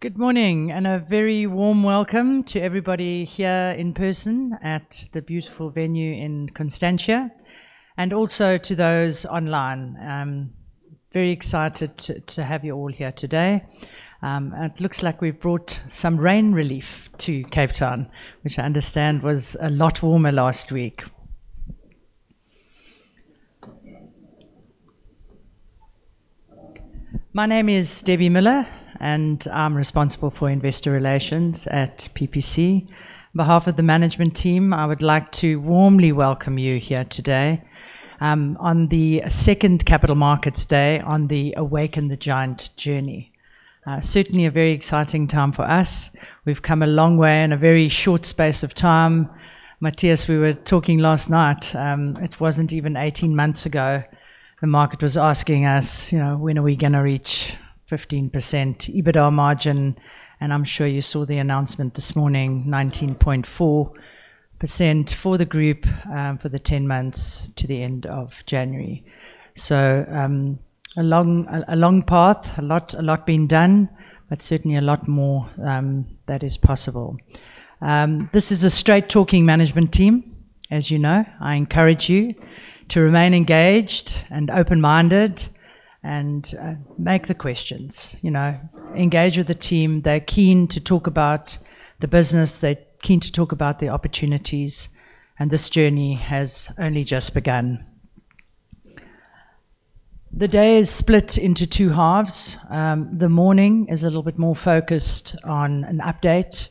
Good morning and a very warm welcome to everybody here in person at the beautiful venue in Constantia, and also to those online. I'm very excited to have you all here today. It looks like we've brought some rain relief to Cape Town, which I understand was a lot warmer last week. My name is Debbie Miller, and I'm responsible for investor relations at PPC. On behalf of the management team, I would like to warmly welcome you here today, on the second Capital Markets Day on the Awaken the Giant journey. Certainly, a very exciting time for us. We've come a long way in a very short space of time. Matias, we were talking last night, it wasn't even 18 months ago, the market was asking us, you know, when are we gonna reach 15% EBITDA margin? I'm sure you saw the announcement this morning, 19.4% for the group, for the 10 months to the end of January. A long path, a lot being done, but certainly a lot more that is possible. This is a straight-talking management team, as you know. I encourage you to remain engaged and open-minded and ask the questions. You know, engage with the team. They're keen to talk about the business, they're keen to talk about the opportunities, and this journey has only just begun. The day is split into two halves. The morning is a little bit more focused on an update.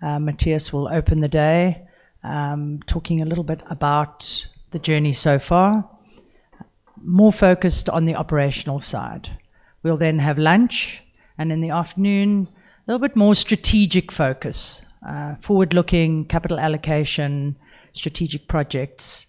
Matias will open the day, talking a little bit about the journey so far, more focused on the operational side. We'll then have lunch, and in the afternoon, a little bit more strategic focus. Forward-looking capital allocation, strategic projects,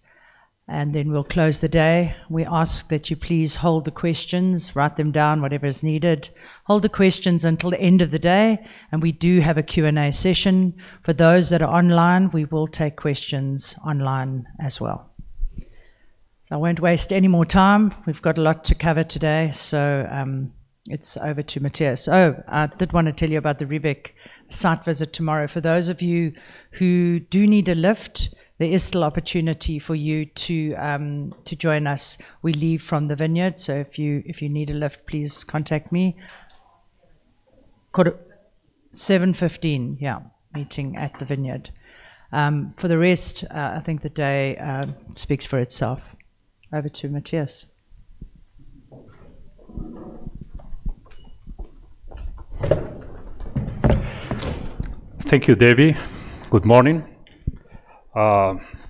and then we'll close the day. We ask that you please hold the questions, write them down, whatever is needed. Hold the questions until the end of the day, and we do have a Q&A session. For those that are online, we will take questions online as well. I won't waste any more time. We've got a lot to cover today. It's over to Matias. I did wanna tell you about the Riebeek site visit tomorrow. For those of you who do need a lift, there is still opportunity for you to join us. We leave from the vineyard, so if you need a lift, please contact me. 7:15 A.M., yeah, meeting at the vineyard. For the rest, I think the day speaks for itself. Over to Matias. Thank you, Debbie. Good morning.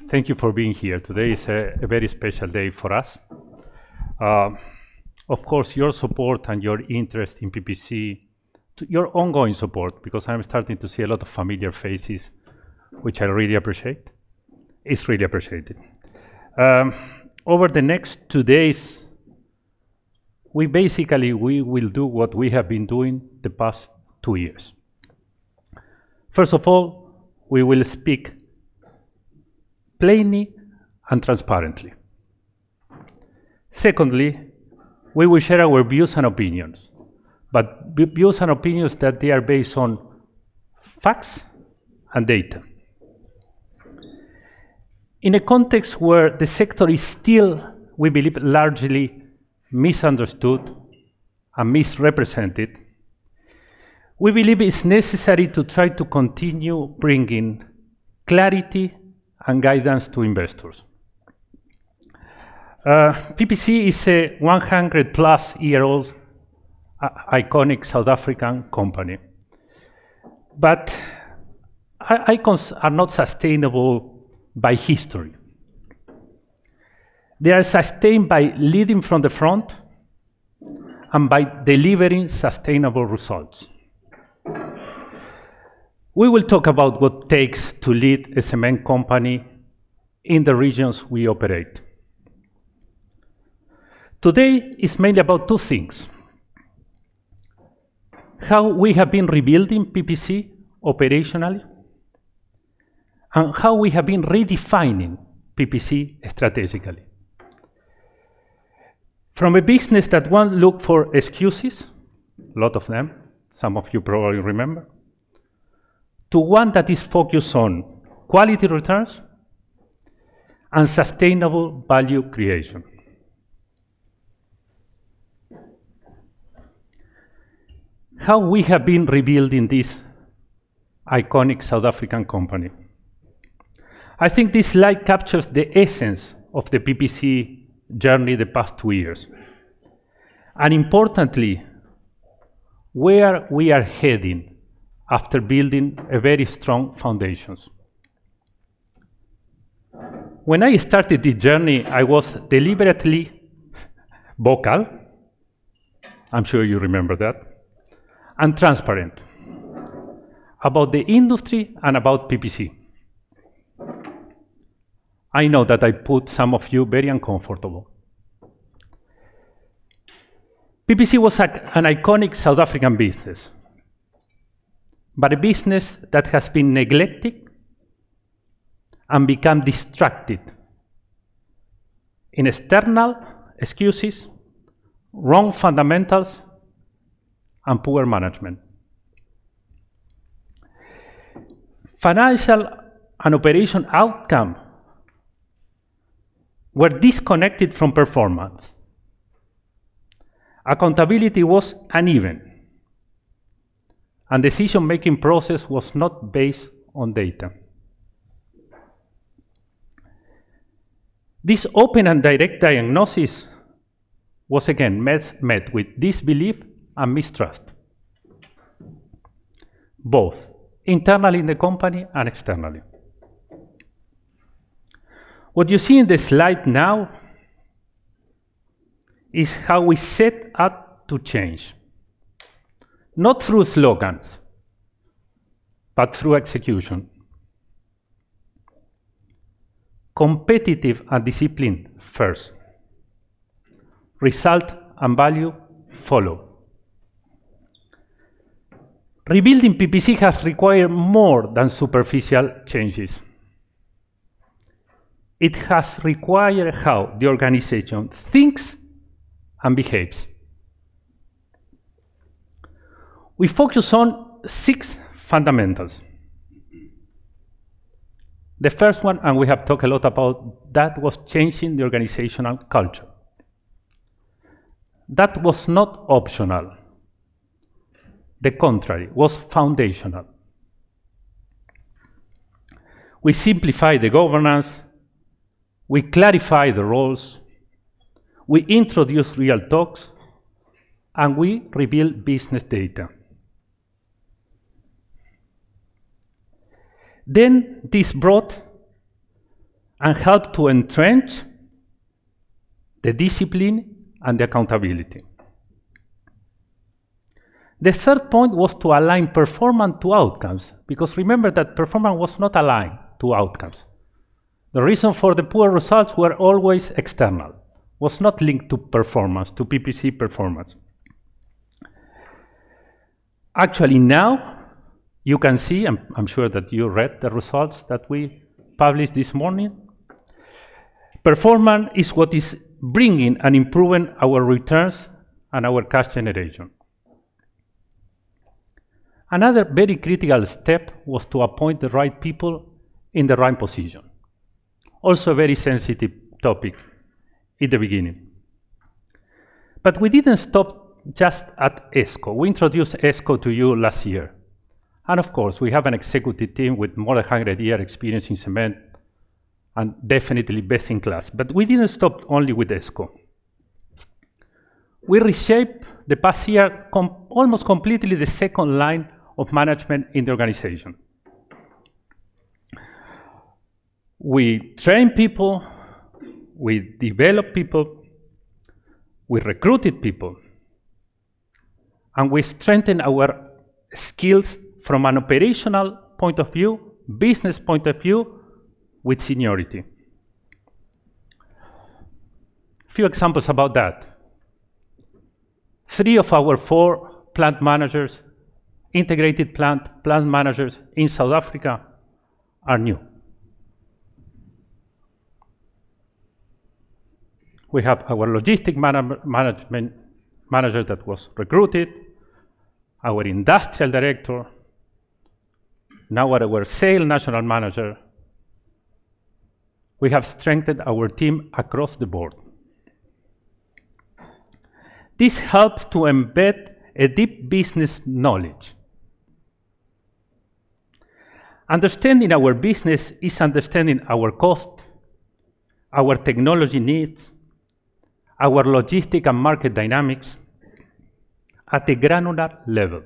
Thank you for being here. Today is a very special day for us. Of course, your support and your interest in PPC, your ongoing support, because I'm starting to see a lot of familiar faces, which I really appreciate. It's really appreciated. Over the next two days, we will do what we have been doing the past two years. First of all, we will speak plainly and transparently. Secondly, we will share our views and opinions, but views and opinions that they are based on facts and data. In a context where the sector is still, we believe, largely misunderstood and misrepresented, we believe it's necessary to try to continue bringing clarity and guidance to investors. PPC is a 100+ year-old iconic South African company. Icons are not sustainable by history. They are sustained by leading from the front and by delivering sustainable results. We will talk about what it takes to lead a cement company in the regions we operate. Today is mainly about two things, how we have been rebuilding PPC operationally, and how we have been redefining PPC strategically. From a business that won't look for excuses, a lot of them, some of you probably remember, to one that is focused on quality returns and sustainable value creation. How we have been rebuilding this iconic South African company. I think this slide captures the essence of the PPC journey the past two years, and importantly, where we are heading after building a very strong foundations. When I started this journey, I was deliberately vocal, I'm sure you remember that, and transparent about the industry and about PPC. I know that I made some of you very uncomfortable. PPC was an iconic South African business, but a business that has been neglected and become distracted in external excuses, wrong fundamentals, and poor management. Financial and operation outcome were disconnected from performance. Accountability was uneven, and decision-making process was not based on data. This open and direct diagnosis was again met with disbelief and mistrust, both internally in the company and externally. What you see in the slide now is how we set out to change, not through slogans, but through execution. Competitive and discipline first. Result and value follow. Rebuilding PPC has required more than superficial changes. It has required how the organization thinks and behaves. We focus on six fundamentals. The first one, and we have talked a lot about that, was changing the organizational culture. That was not optional. The contrary, it was foundational. We simplify the governance, we clarify the roles, we introduce real talks, and we rebuild business data. This brought and helped to entrench the discipline and the accountability. The third point was to align performance to outcomes because remember that performance was not aligned to outcomes. The reason for the poor results were always external. Was not linked to performance, to PPC performance. Actually, now you can see, I'm sure that you read the results that we published this morning. Performance is what is bringing and improving our returns and our cash generation. Another very critical step was to appoint the right people in the right position. Also, a very sensitive topic in the beginning. We didn't stop just at ExCo. We introduced ExCo to you last year. Of course, we have an executive team with more than 100 years' experience in cement and definitely best in class. We didn't stop only with ExCo. We reshaped the past year almost completely the second line of management in the organization. We train people, we develop people, we recruited people, and we strengthen our skills from an operational point of view, business point of view with seniority. A few examples about that. Three of our four integrated plant managers in South Africa are new. We have our logistics manager that was recruited, our industrial director, and our national sales manager. We have strengthened our team across the board. This helps to embed a deep business knowledge. Understanding our business is understanding our cost, our technology needs, our logistics and market dynamics at a granular level.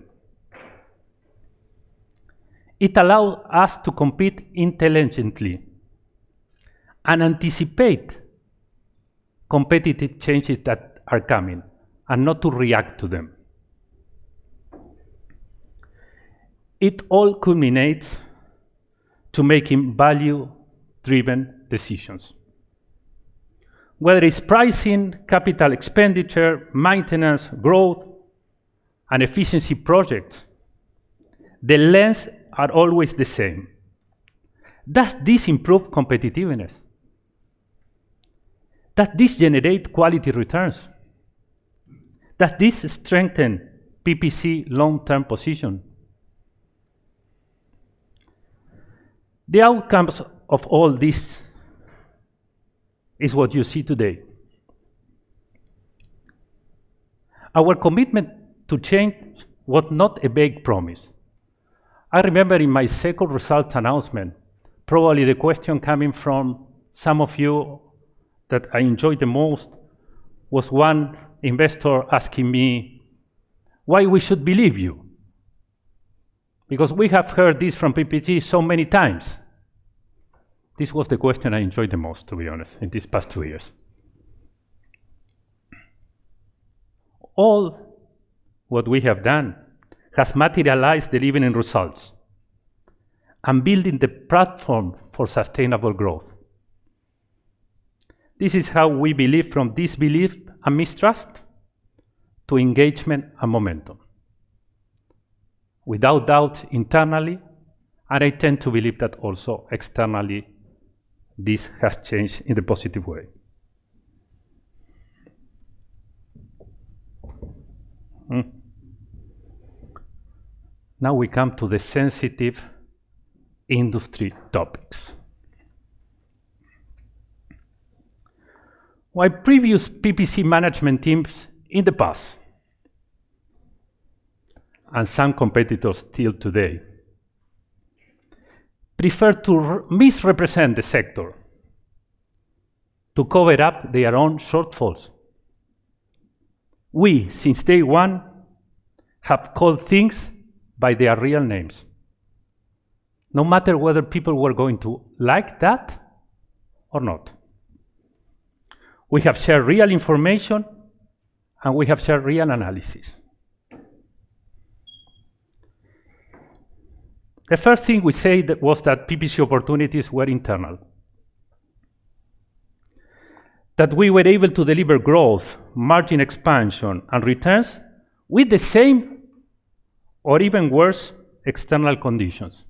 It allows us to compete intelligently and anticipate competitive changes that are coming and not to react to them. It all culminates in making value-driven decisions. Whether it's pricing, capital expenditure, maintenance, growth, and efficiency projects, the lens is always the same. Does this improve competitiveness? Does this generate quality returns? Does this strengthen PPC's long-term position? The outcomes of all this are what you see today. Our commitment to change was not a big promise. I remember in my second result announcement, probably the question coming from some of you that I enjoyed the most was one investor asking me why we should believe you. Because we have heard this from PPC so many times. This was the question I enjoyed the most, to be honest, in these past two years. All that we have done has materialized, delivering results and building the platform for sustainable growth. This is how we believe from disbelief and mistrust to engagement and momentum. Without doubt internally, and I tend to believe that also externally, this has changed in a positive way. Now we come to the sensitive industry topics. While previous PPC management teams in the past, and some competitors still today, prefer to misrepresent the sector to cover up their own shortfalls. We, since day one, have called things by their real names, no matter whether people were going to like that or not. We have shared real information, and we have shared real analysis. The first thing we said that was that PPC opportunities were internal. That we were able to deliver growth, margin expansion, and returns with the same or even worse external conditions.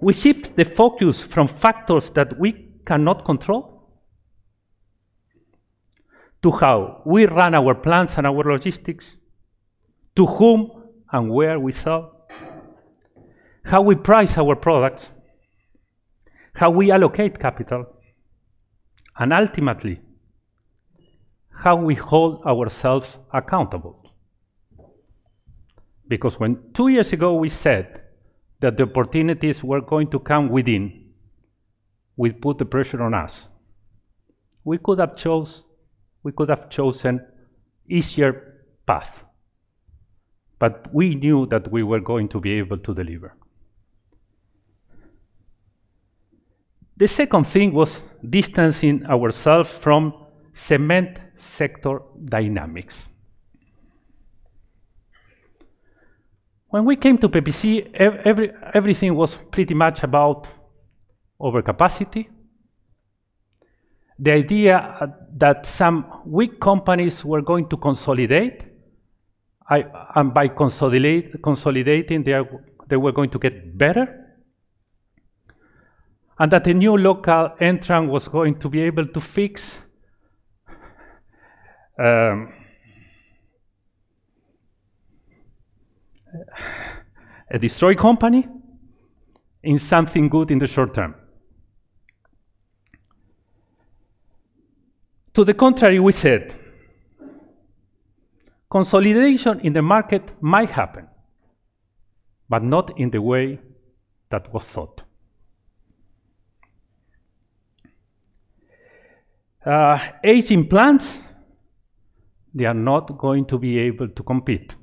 We shift the focus from factors that we cannot control to how we run our plants and our logistics, to whom and where we sell, how we price our products, how we allocate capital, and ultimately, how we hold ourselves accountable. Because when two years ago we said that the opportunities were going to come within, we put the pressure on us. We could have chosen easier path, but we knew that we were going to be able to deliver. The second thing was distancing ourselves from cement sector dynamics. When we came to PPC, everything was pretty much about overcapacity. The idea that some weak companies were going to consolidate, and by consolidating they were going to get better. That a new local entrant was going to be able to fix, a destroyed company in something good in the short term. To the contrary, we said, "Consolidation in the market might happen, but not in the way that was thought." Aging plants, they are not going to be able to compete.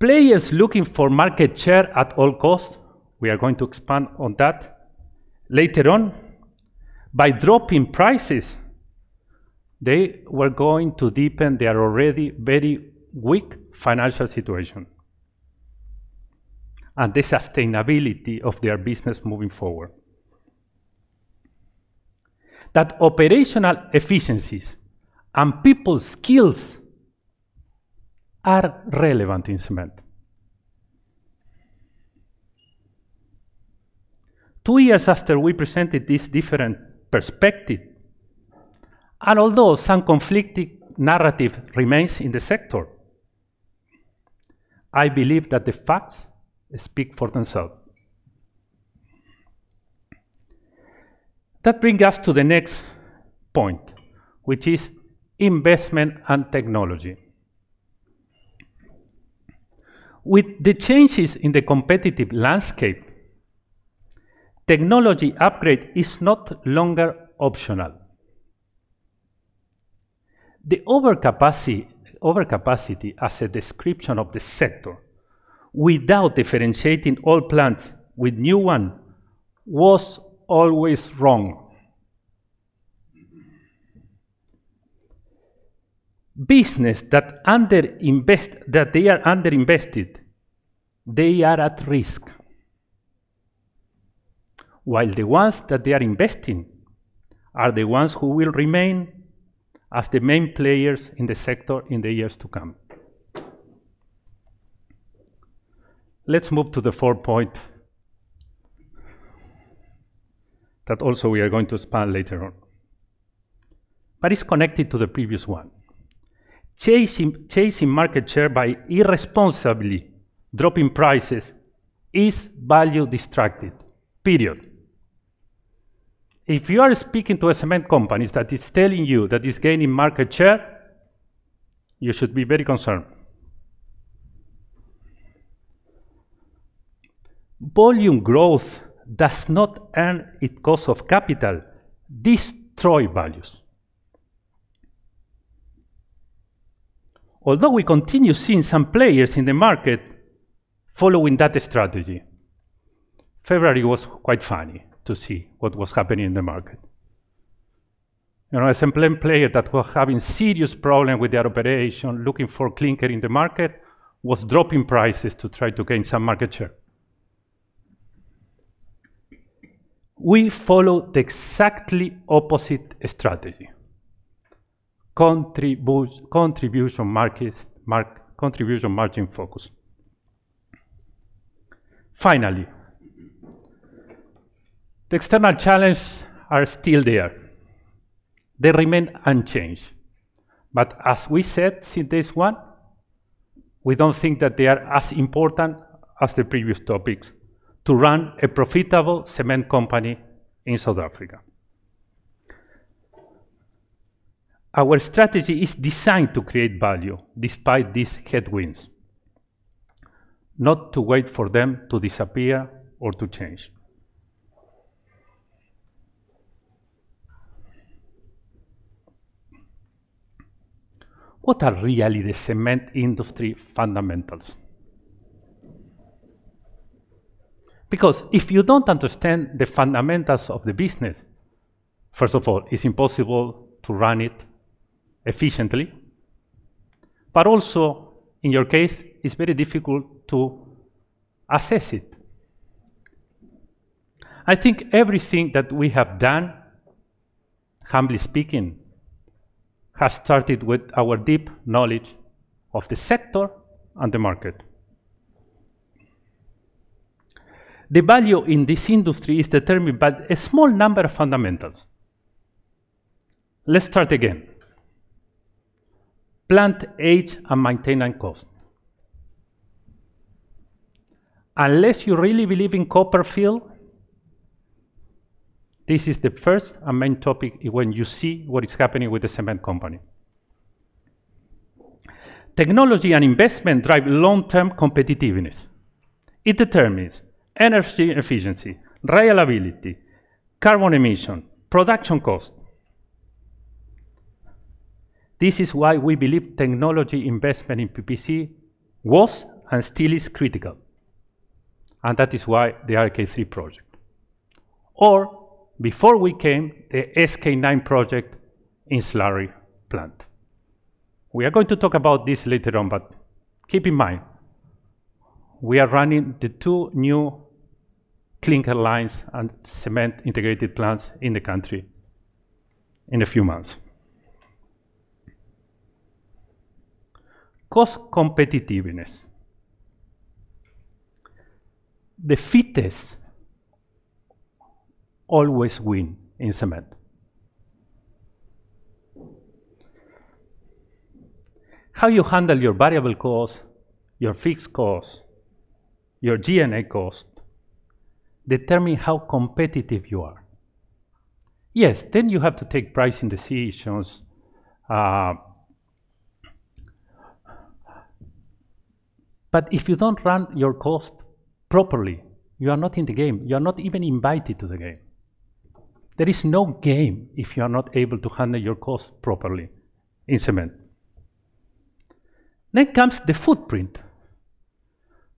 Players looking for market share at all costs, we are going to expand on that later on. By dropping prices, they were going to deepen their already very weak financial situation and the sustainability of their business moving forward. That operational efficiencies and people skills are relevant in cement. Two years after we presented this different perspective, and although some conflicted narrative remains in the sector, I believe that the facts speak for themselves. That bring us to the next point, which is investment and technology. With the changes in the competitive landscape, technology upgrade is no longer optional. The overcapacity as a description of the sector, without differentiating old plants with new one, was always wrong. Business that they are underinvested, they are at risk. While the ones that they are investing are the ones who will remain as the main players in the sector in the years to come. Let's move to the fourth point, that also we are going to expand later on. It's connected to the previous one. Chasing market share by irresponsibly dropping prices is value destructive, period. If you are speaking to a cement company that is telling you that it's gaining market share, you should be very concerned. Volume growth does not earn its cost of capital, destroys value. Although we continue seeing some players in the market following that strategy, February was quite funny to see what was happening in the market. You know, a cement player that was having serious problem with their operation, looking for clinker in the market, was dropping prices to try to gain some market share. We follow the exactly opposite strategy. Contribution margin focus. Finally, the external challenges are still there. They remain unchanged. As we said since day one, we don't think that they are as important as the previous topics to run a profitable cement company in South Africa. Our strategy is designed to create value despite these headwinds, not to wait for them to disappear or to change. What are really the cement industry fundamentals? Because if you don't understand the fundamentals of the business, first of all, it's impossible to run it efficiently. In your case, it's very difficult to assess it. I think everything that we have done, humbly speaking, has started with our deep knowledge of the sector and the market. The value in this industry is determined by a small number of fundamentals. Let's start again. Plant age and maintenance cost. Unless you really believe in Copperfield, this is the first and main topic when you see what is happening with the cement company. Technology and investment drive long-term competitiveness. It determines energy efficiency, reliability, carbon emission, production cost. This is why we believe technology investment in PPC was and still is critical, and that is why the RK3 project. Before we came, the SK9 project in Slurry plant. We are going to talk about this later on, but keep in mind, we are running the two new clinker lines and cement integrated plants in the country in a few months. Cost competitiveness. The fittest always win in cement. How you handle your variable costs, your fixed costs, your G&A costs determine how competitive you are. Yes, then you have to take pricing decisions, but if you don't run your cost properly, you are not in the game. You are not even invited to the game. There is no game if you are not able to handle your costs properly in cement. Comes the footprint.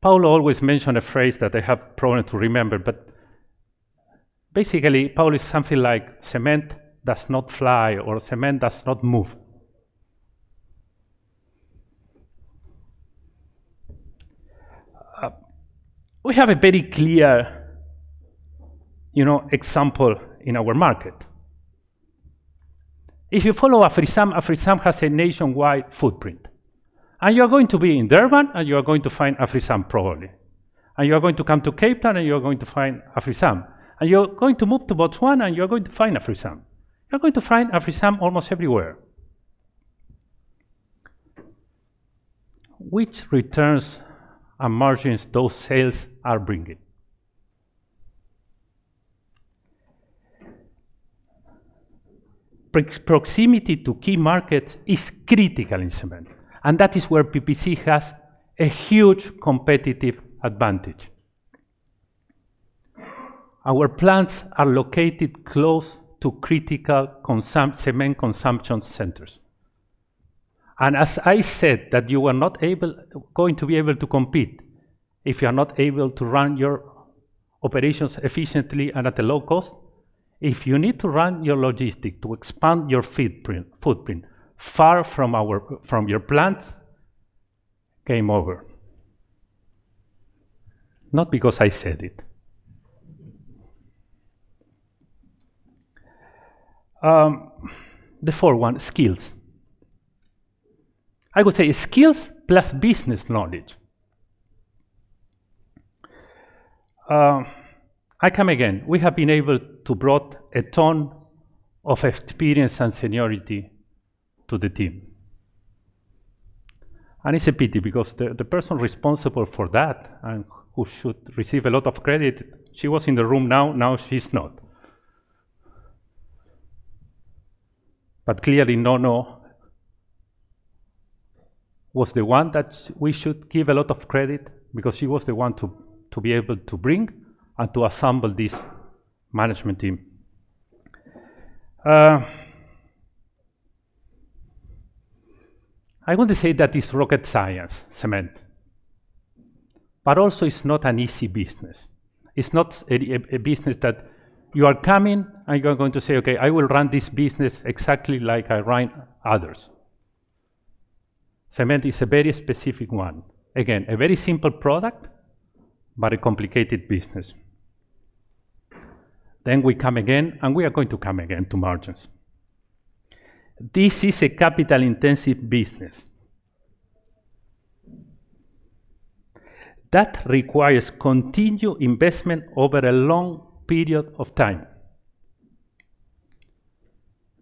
Paulo always mention a phrase that I have problem to remember, but basically, Paulo, it's something like, "Cement does not fly," or, "Cement does not move." We have a very clear, you know, example in our market. If you follow AfriSam has a nationwide footprint, and you are going to be in Durban, and you are going to find AfriSam probably, and you are going to come to Cape Town, and you are going to find AfriSam, and you're going to move to Botswana, and you're going to find AfriSam. You're going to find AfriSam almost everywhere. Which returns and margins those sales are bringing? Proximity to key markets is critical in cement, and that is where PPC has a huge competitive advantage. Our plants are located close to critical cement consumption centers. As I said, you are not going to be able to compete if you are not able to run your operations efficiently and at a low cost. If you need to run your logistics to expand your footprint far from your plants, game over. Not because I said it. The fourth one, skills. I would say skills plus business knowledge. I come again. We have been able to brought a ton of experience and seniority to the team. It's a pity because the person responsible for that and who should receive a lot of credit, she was in the room now. Now she's not. Clearly, Nono was the one that we should give a lot of credit because she was the one to be able to bring and to assemble this management team. I want to say that it's rocket science, cement, but also it's not an easy business. It's not a business that you are coming, and you are going to say, "Okay, I will run this business exactly like I run others." Cement is a very specific one. Again, a very simple product, but a complicated business. We come again, and we are going to come again to margins. This is a capital-intensive business that requires continued investment over a long period of time.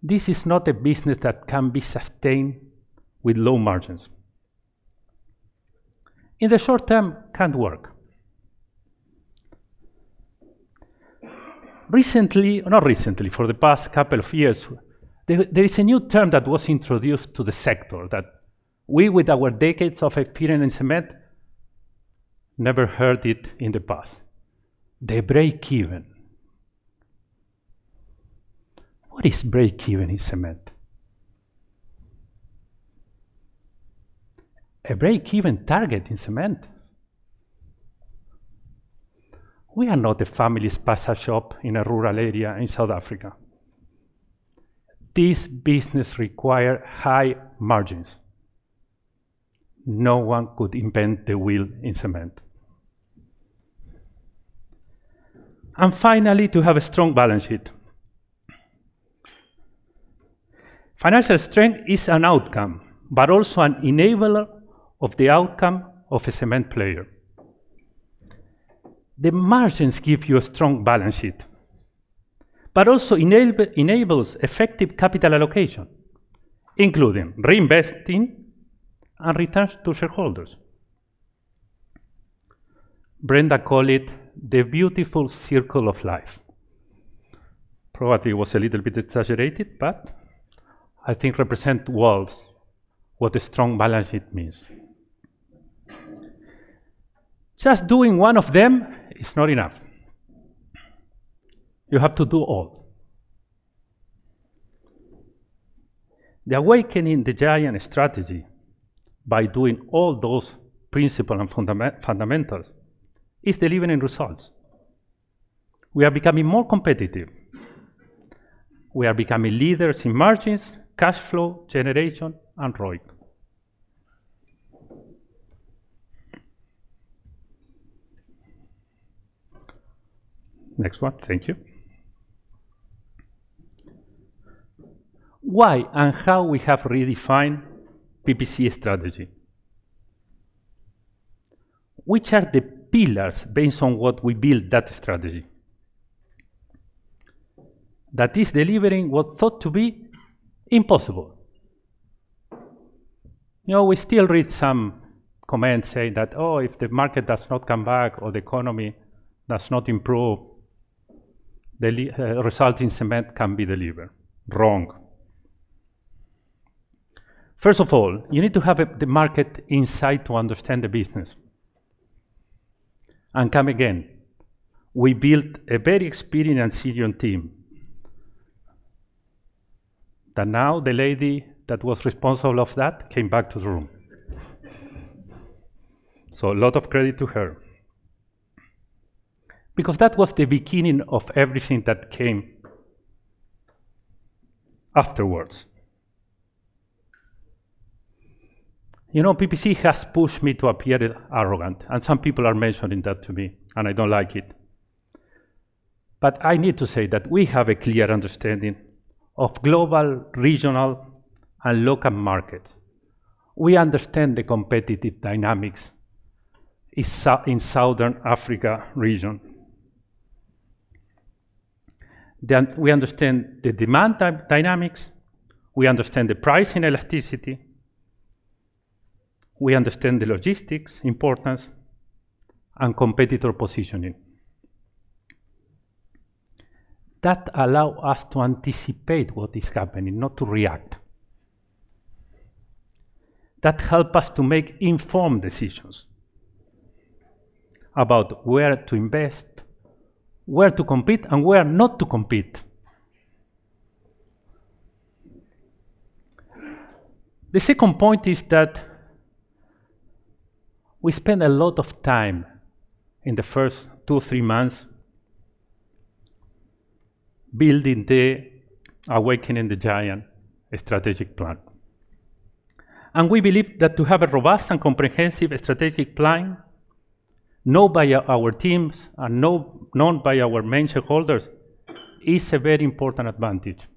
This is not a business that can be sustained with low margins. In the short term, can't work. For the past couple of years, there is a new term that was introduced to the sector that we with our decades of experience in cement never heard it in the past. The breakeven. What is breakeven in cement? A breakeven target in cement. We are not a family's pasta shop in a rural area in South Africa. This business require high margins. No one could reinvent the wheel in cement. Finally, to have a strong balance sheet. Financial strength is an outcome, but also an enabler of the outcome of a cement player. The margins give you a strong balance sheet, but also enables effective capital allocation, including reinvesting and returns to shareholders. Brenda calls it the beautiful circle of life. Probably was a little bit exaggerated, but I think represents well what a strong balance sheet means. Just doing one of them is not enough. You have to do all. The Awaken the Giant strategy by doing all those principles and fundamentals is delivering results. We are becoming more competitive. We are becoming leaders in margins, cash flow generation, and ROIC. Next one. Thank you. Why and how we have redefined PPC strategy. Which are the pillars based on what we build that strategy that is delivering what thought to be impossible? You know, we still read some comments saying that, "Oh, if the market does not come back or the economy does not improve, the result in cement can be delivered." Wrong. First of all, you need to have the market insight to understand the business. Come again, we built a very experienced and senior team. That now the lady that was responsible of that came back to the room. So a lot of credit to her. Because that was the beginning of everything that came afterwards. You know, PPC has pushed me to appear arrogant, and some people are mentioning that to me, and I don't like it. I need to say that we have a clear understanding of global, regional, and local markets. We understand the competitive dynamics is in Southern Africa region. We understand the demand dynamics, we understand the pricing elasticity, we understand the logistics importance and competitor positioning. That allows us to anticipate what is happening, not to react. That helps us to make informed decisions about where to invest, where to compete, and where not to compete. The second point is that we spend a lot of time in the first two, three months building the Awaken the Giant strategic plan. We believe that to have a robust and comprehensive strategic plan known by our teams and known by our main shareholders is a very important advantage.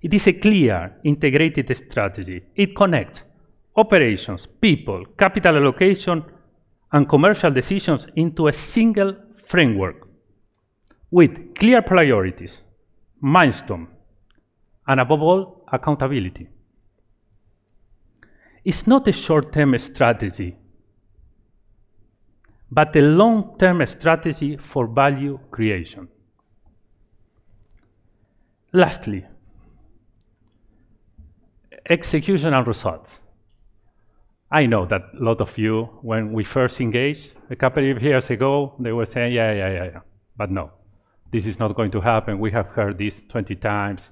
It is a clear, integrated strategy. It connects operations, people, capital allocation, and commercial decisions into a single framework with clear priorities, milestones, and above all, accountability. It's not a short-term strategy, but a long-term strategy for value creation. Lastly, execution and results. I know that a lot of you, when we first engaged a couple of years ago, they were saying, "Yeah, yeah, yeah." No, this is not going to happen. We have heard this 20x.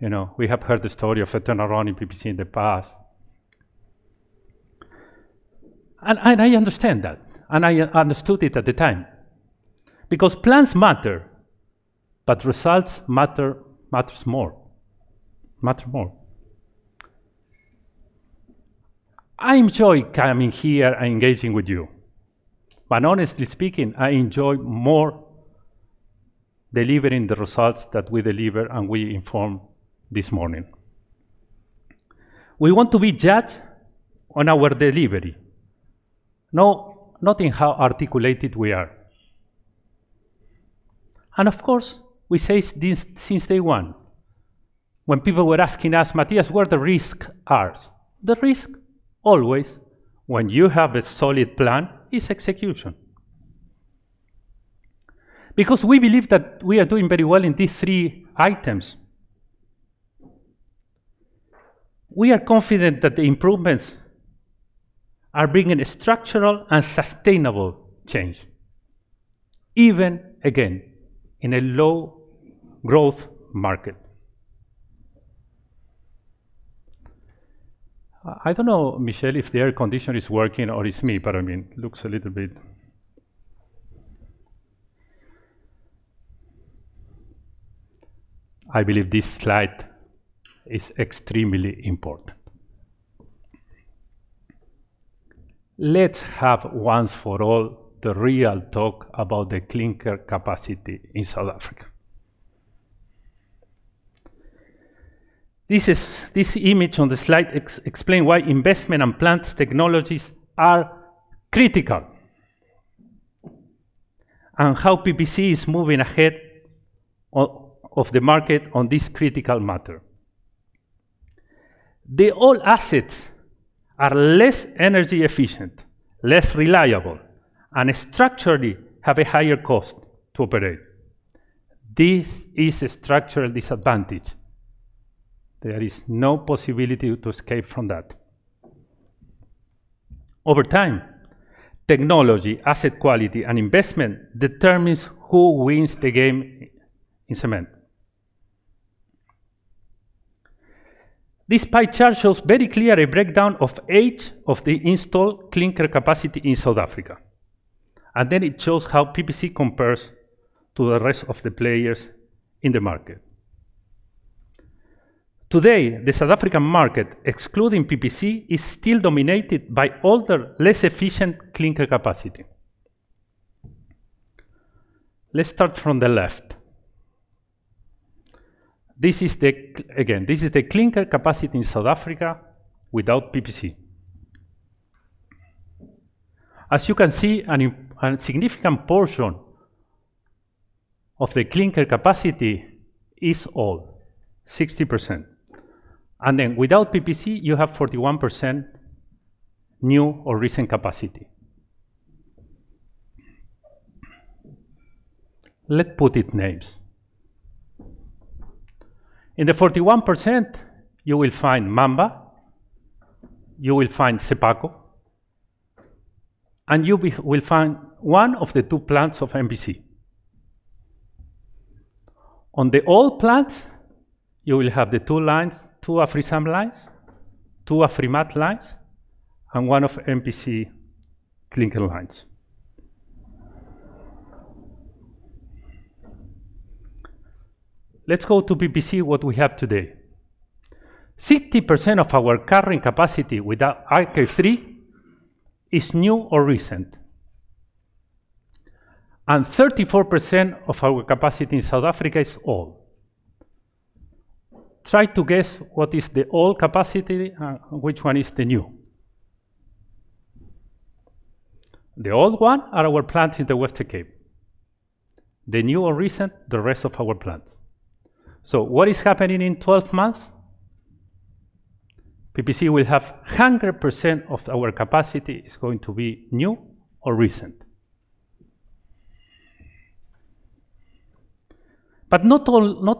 You know, we have heard the story of a turnaround in PPC in the past. I understand that, and I understood it at the time. Plans matter, but results matter more. I enjoy coming here and engaging with you. Honestly speaking, I enjoy more delivering the results that we deliver and we inform this morning. We want to be judged on our delivery. Not in how articulated we are. Of course, we say this since day one. People were asking us, "Matias, what the risks are?" The risk always when you have a solid plan is execution. Because we believe that we are doing very well in these three items. We are confident that the improvements are bringing a structural and sustainable change, even again, in a low growth market. I don't know, Michelle, if the air conditioner is working or it's me, but I mean, looks a little bit. I believe this slide is extremely important. Let's have once for all the real talk about the clinker capacity in South Africa. This image on the slide explain why investment and plant technologies are critical. How PPC is moving ahead of the market on this critical matter. The old assets are less energy efficient, less reliable, and structurally have a higher cost to operate. This is a structural disadvantage. There is no possibility to escape from that. Over time, technology, asset quality, and investment determines who wins the game in cement. This pie chart shows a very clear breakdown of the age of the installed clinker capacity in South Africa. It shows how PPC compares to the rest of the players in the market. Today, the South African market, excluding PPC, is still dominated by older, less efficient clinker capacity. Let's start from the left. This is the clinker capacity in South Africa without PPC. As you can see, a significant portion of the clinker capacity is old, 60%. Without PPC, you have 41% new or recent capacity. Let's put names. In the 41%, you will find Mamba, Sephaku, and one of the two plants of NPC. On the old plants, you will have the two lines, two AfriSam lines, two Afrimat lines, and one of NPC clinker lines. Let's go to PPC, what we have today. 60% of our current capacity without RK3 is new or recent. 34% of our capacity in South Africa is old. Try to guess what is the old capacity and which one is the new. The old one are our plants in the Western Cape. The new or recent, the rest of our plants. What is happening in 12 months? PPC will have 100% of our capacity is going to be new or recent. But not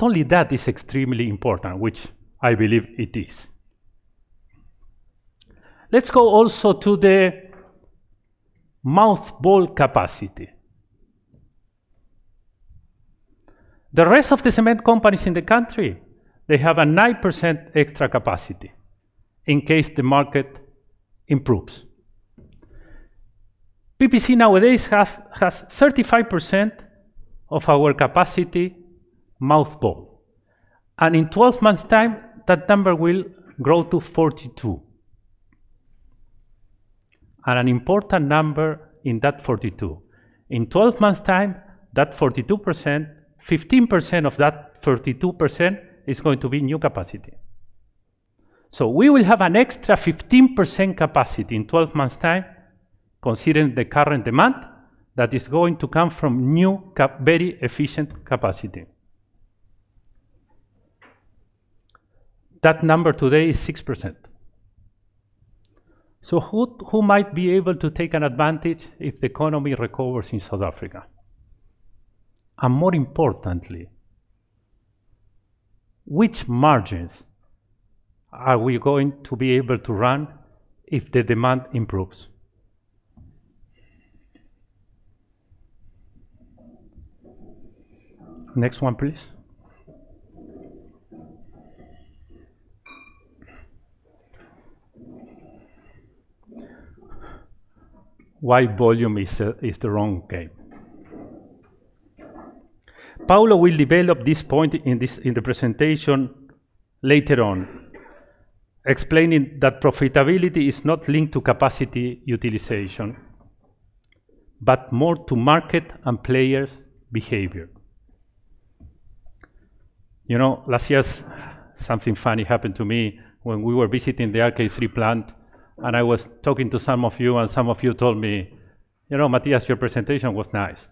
only that is extremely important, which I believe it is. Let's go also to the mothball capacity. The rest of the cement companies in the country, they have a 9% extra capacity in case the market improves. PPC nowadays has 35% of our capacity mothball. In 12 months time, that number will grow to 42%. An important number in that 42. In 12 months' time, that 42%, 15% of that 42% percent is going to be new capacity. We will have an extra 15% capacity in 12 months' time, considering the current demand that is going to come from very efficient capacity. That number today is 6%. Who might be able to take an advantage if the economy recovers in South Africa? More importantly, which margins are we going to be able to run if the demand improves? Next one, please. Why volume is the wrong game. Paulo will develop this point in the presentation later on, explaining that profitability is not linked to capacity utilization, but more to market and players' behavior. You know, last year something funny happened to me when we were visiting the RK3 plant and I was talking to some of you, and some of you told me, "You know, Matias, your presentation was nice,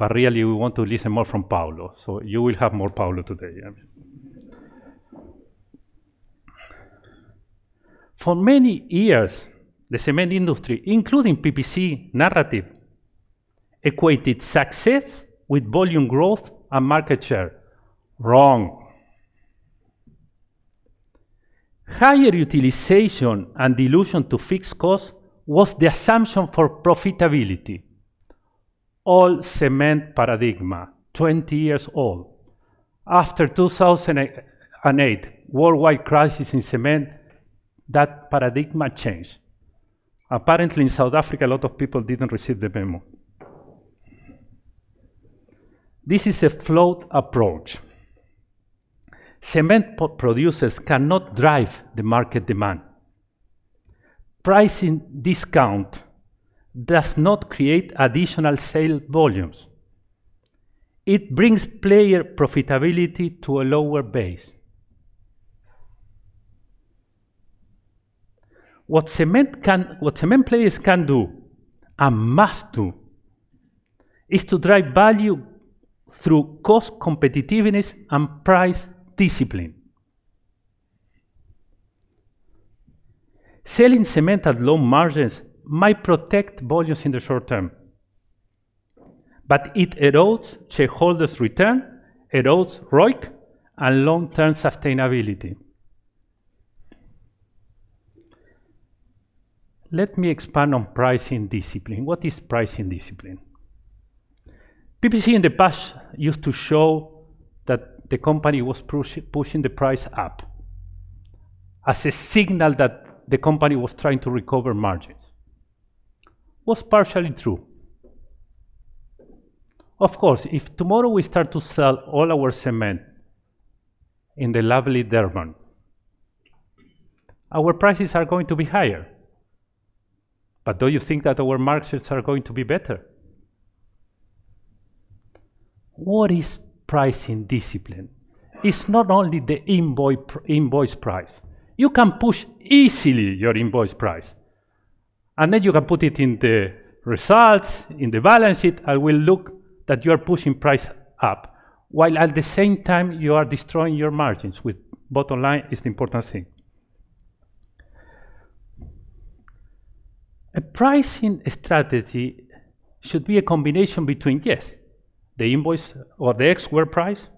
but really we want to listen more from Paulo." You will have more Paulo today, yeah. For many years, the cement industry, including PPC narrative, equated success with volume growth and market share. Wrong. Higher utilization and dilution to fixed cost was the assumption for profitability. Old cement paradigm, 20 years old. After 2008 worldwide crisis in cement, that paradigm changed. Apparently in South Africa, a lot of people didn't receive the memo. This is a flawed approach. Cement producers cannot drive the market demand. Pricing discount does not create additional sale volumes. It brings player profitability to a lower base. What cement players can do and must do is to drive value through cost competitiveness and price discipline. Selling cement at low margins might protect volumes in the short term, but it erodes shareholders' return, erodes ROIC and long-term sustainability. Let me expand on pricing discipline. What is pricing discipline? PPC in the past used to show that the company was pushing the price up as a signal that the company was trying to recover margins. Was partially true. Of course, if tomorrow we start to sell all our cement in the lovely Durban, our prices are going to be higher. But do you think that our margins are going to be better? What is pricing discipline? It's not only the invoice price. You can push easily your invoice price, and then you can put it in the results, in the balance sheet. It looks like you are pushing price up while at the same time you are destroying your margins. Bottom line is the important thing. A pricing strategy should be a combination between, yes, the invoice or the ex-works price.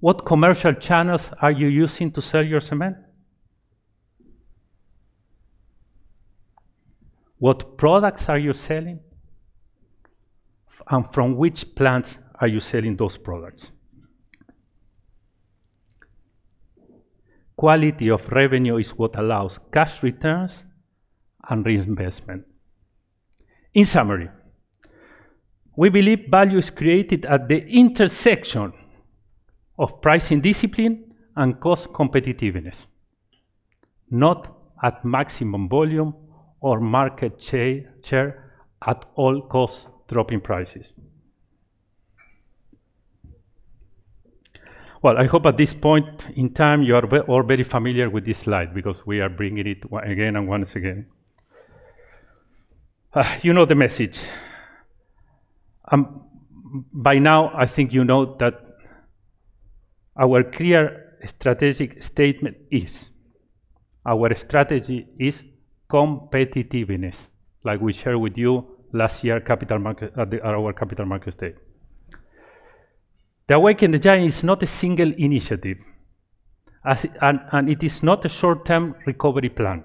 What commercial channels are you using to sell your cement? What products are you selling? And from which plants are you selling those products? Quality of revenue is what allows cash returns and reinvestment. In summary, we believe value is created at the intersection of pricing discipline and cost competitiveness, not at maximum volume or market share at all costs dropping prices. Well, I hope at this point in time you are all very familiar with this slide because we are bringing it once again and once again. You know the message. By now I think you know that our clear strategic statement is, our strategy is competitiveness, like we shared with you last year, at our Capital Markets Day. The Awaken the Giant is not a single initiative and it is not a short-term recovery plan.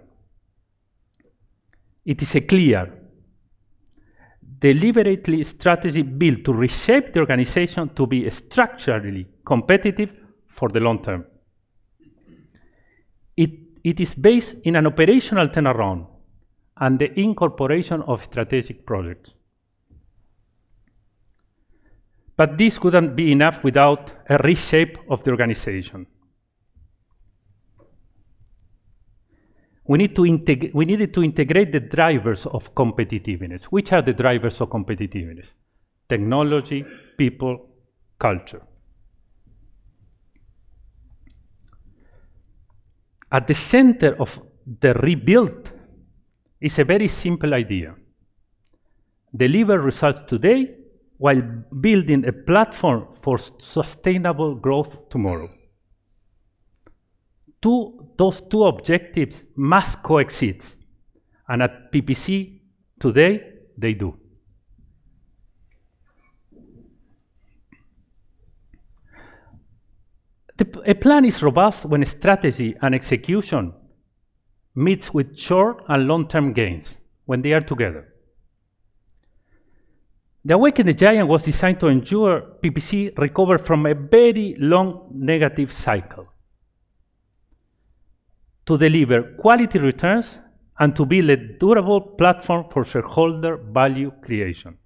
It is a clear, deliberately strategy built to reshape the organization to be structurally competitive for the long term. It is based in an operational turnaround and the incorporation of strategic projects. This couldn't be enough without a reshape of the organization. We needed to integrate the drivers of competitiveness. Which are the drivers of competitiveness? Technology, people, culture. At the center of the rebuild is a very simple idea. Deliver results today while building a platform for sustainable growth tomorrow. Those two objectives must coexist, and at PPC today, they do. A plan is robust when strategy and execution meets with short and long-term gains, when they are together. The Awaken the Giant was designed to ensure PPC recover from a very long negative cycle, to deliver quality returns, and to build a durable platform for shareholder value creation.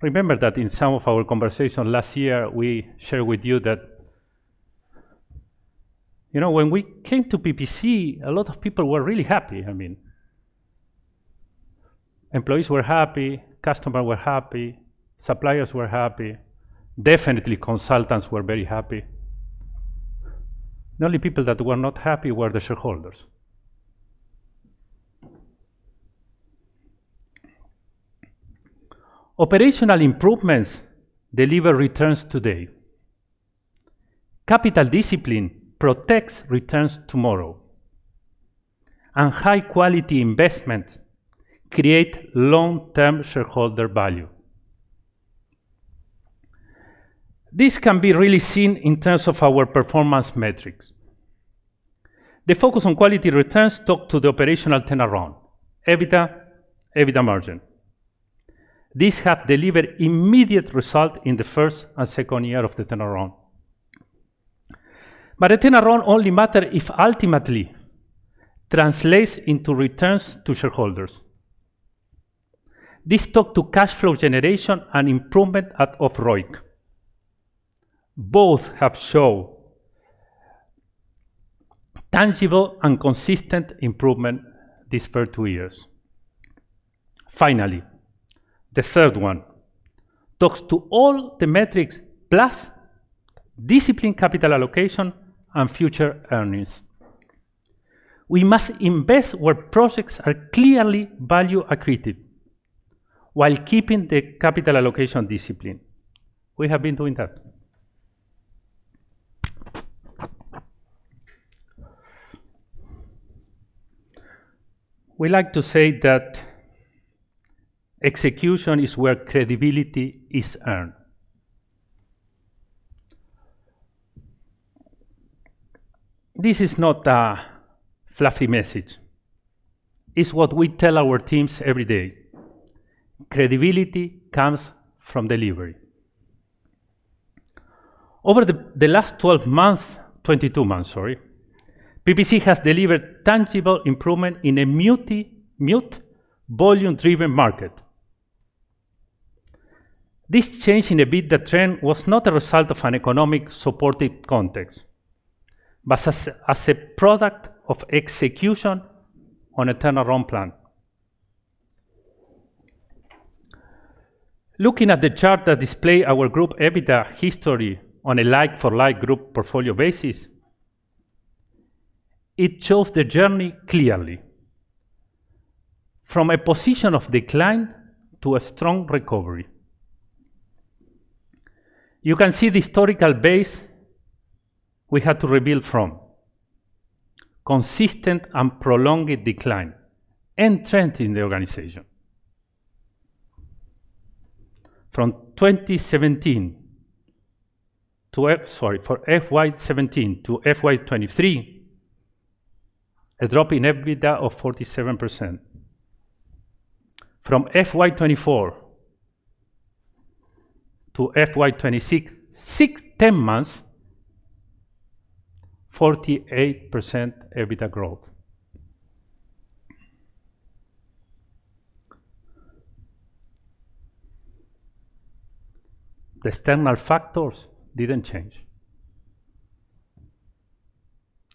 Remember that in some of our conversation last year, we shared with you that, you know, when we came to PPC, a lot of people were really happy. I mean, employees were happy, customer were happy, suppliers were happy. Definitely, consultants were very happy. The only people that were not happy were the shareholders. Operational improvements deliver returns today. Capital discipline protects returns tomorrow. High quality investments create long-term shareholder value. This can be really seen in terms of our performance metrics. The focus on quality returns talk to the operational turnaround, EBITDA margin. These have delivered immediate result in the first and second year of the turnaround. A turnaround only matter if ultimately translates into returns to shareholders. This talk to cash flow generation and improvement of ROIC. Both have shown tangible and consistent improvement these first two years. Finally, the third one talks to all the metrics plus disciplined capital allocation and future earnings. We must invest where projects are clearly value accretive while keeping the capital allocation discipline. We have been doing that. We like to say that execution is where credibility is earned. This is not a fluffy message. It's what we tell our teams every day. Credibility comes from delivery. Over the last 12 month, 22 months, sorry, PPC has delivered tangible improvement in a muted volume-driven market. This change in EBITDA trend was not a result of an economic supportive context, but a product of execution on a turnaround plan. Looking at the chart that display our group EBITDA history on a like for like group portfolio basis, it shows the journey clearly from a position of decline to a strong recovery. You can see the historical base we had to rebuild from. Consistent and prolonged decline and trend in the organization. From FY 2017 to FY 2023, a drop in EBITDA of 47%. From FY 2024 to FY 2026, six, 10 months, 48% EBITDA growth. The external factors didn't change.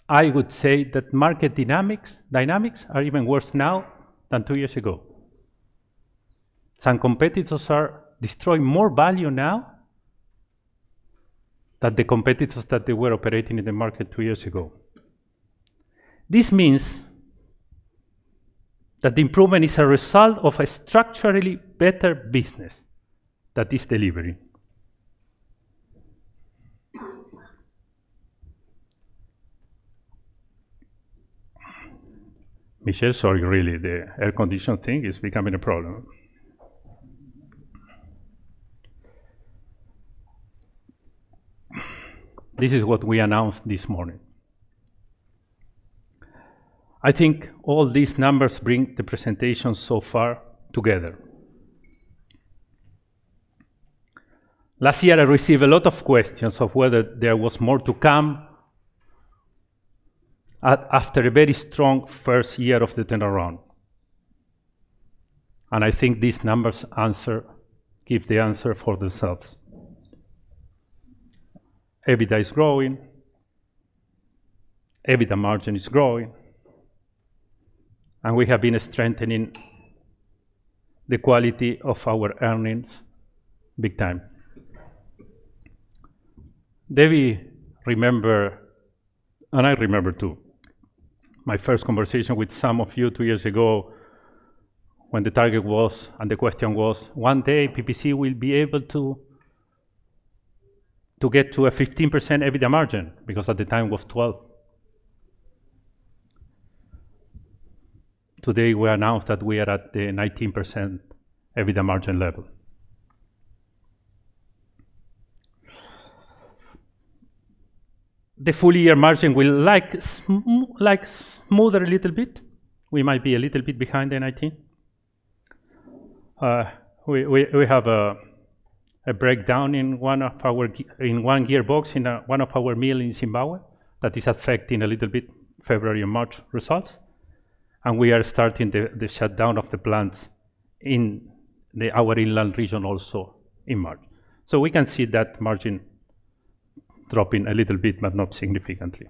I would say that market dynamics are even worse now than two years ago. Some competitors are destroying more value now than the competitors that they were operating in the market two years ago. This means that the improvement is a result of a structurally better business that is delivering. Michelle, sorry, really. The air condition thing is becoming a problem. This is what we announced this morning. I think all these numbers bring the presentation so far together. Last year, I received a lot of questions of whether there was more to come after a very strong first year of the turnaround. I think these numbers answer, give the answer for themselves. EBITDA is growing, EBITDA margin is growing, and we have been strengthening the quality of our earnings big time. Debbie, remember, I remember too, my first conversation with some of you two years ago when the target was, and the question was, "One day, PPC will be able to get to a 15% EBITDA margin," because at the time it was 12%. Today we announced that we are at the 19% EBITDA margin level. The full year margin will likely smooth a little bit. We might be a little bit behind the 19%. We have a breakdown in one gearbox in one of our mills in Zimbabwe that is affecting February and March results a little bit. We are starting the shutdown of the plants in our inland region also in March. We can see that margin dropping a little bit, but not significantly.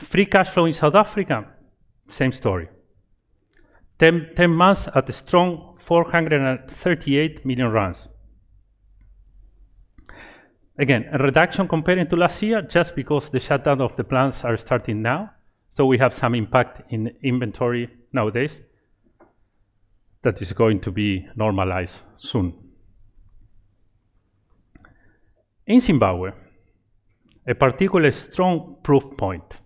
Free cash flow in South Africa, same story. 10 months at a strong 438 million. Again, a reduction comparing to last year just because the shutdown of the plants are starting now, so we have some impact in inventory nowadays that is going to be normalized soon. In Zimbabwe, a particularly strong proof point.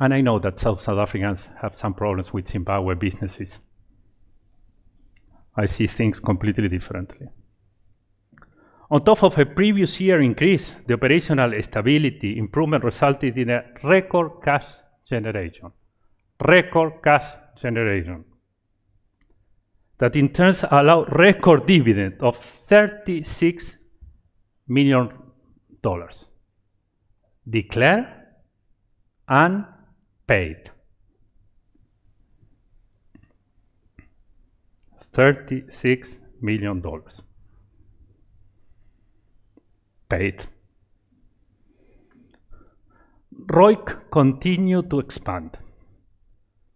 I know that South Africans have some problems with Zimbabwe businesses. I see things completely differently. On top of a previous year increase, the operational stability improvement resulted in a record cash generation. That in turn allow record dividend of $36 million declared and paid. $36 million paid. ROIC continued to expand.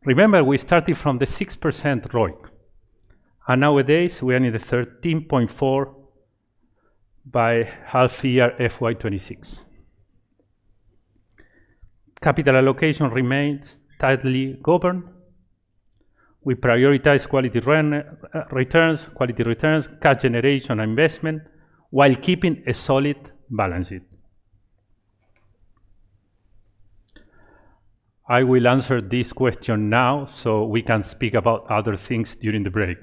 Remember, we started from the 6% ROIC, and nowadays we are near the 13.4% by half year FY 2026. Capital allocation remains tightly governed. We prioritize quality returns, cash generation, and investment while keeping a solid balance sheet. I will answer this question now so we can speak about other things during the break.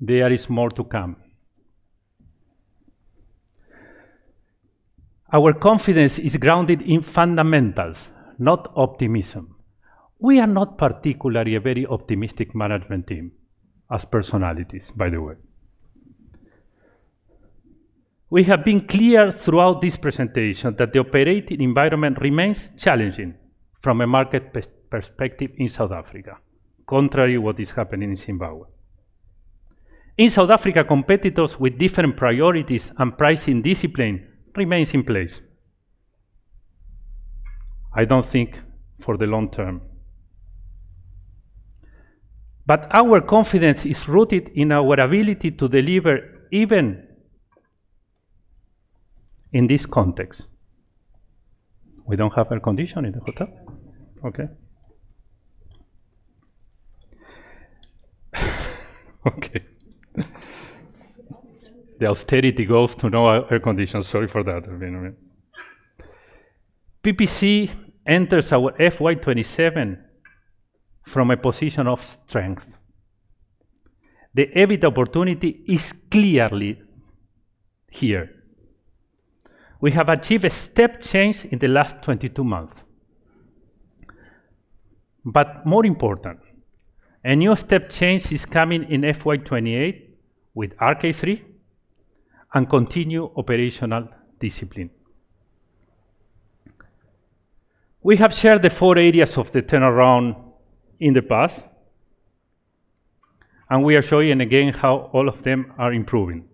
There is more to come. Our confidence is grounded in fundamentals, not optimism. We are not particularly a very optimistic management team as personalities, by the way. We have been clear throughout this presentation that the operating environment remains challenging from a market perspective in South Africa, contrary to what is happening in Zimbabwe. In South Africa, competitors with different priorities and pricing discipline remains in place. I don't think for the long term. Our confidence is rooted in our ability to deliver even in this context. We don't have air-conditioning in the hotel? Okay. The austerity goes to no air-conditioning. Sorry for that, everyone. PPC enters our FY 2027 from a position of strength. The EBIT opportunity is clearly here. We have achieved a step change in the last 22 months. More important, a new step change is coming in FY 2028 with RK3 and continued operational discipline. We have shared the four areas of the turnaround in the past, and we are showing again how all of them are improving.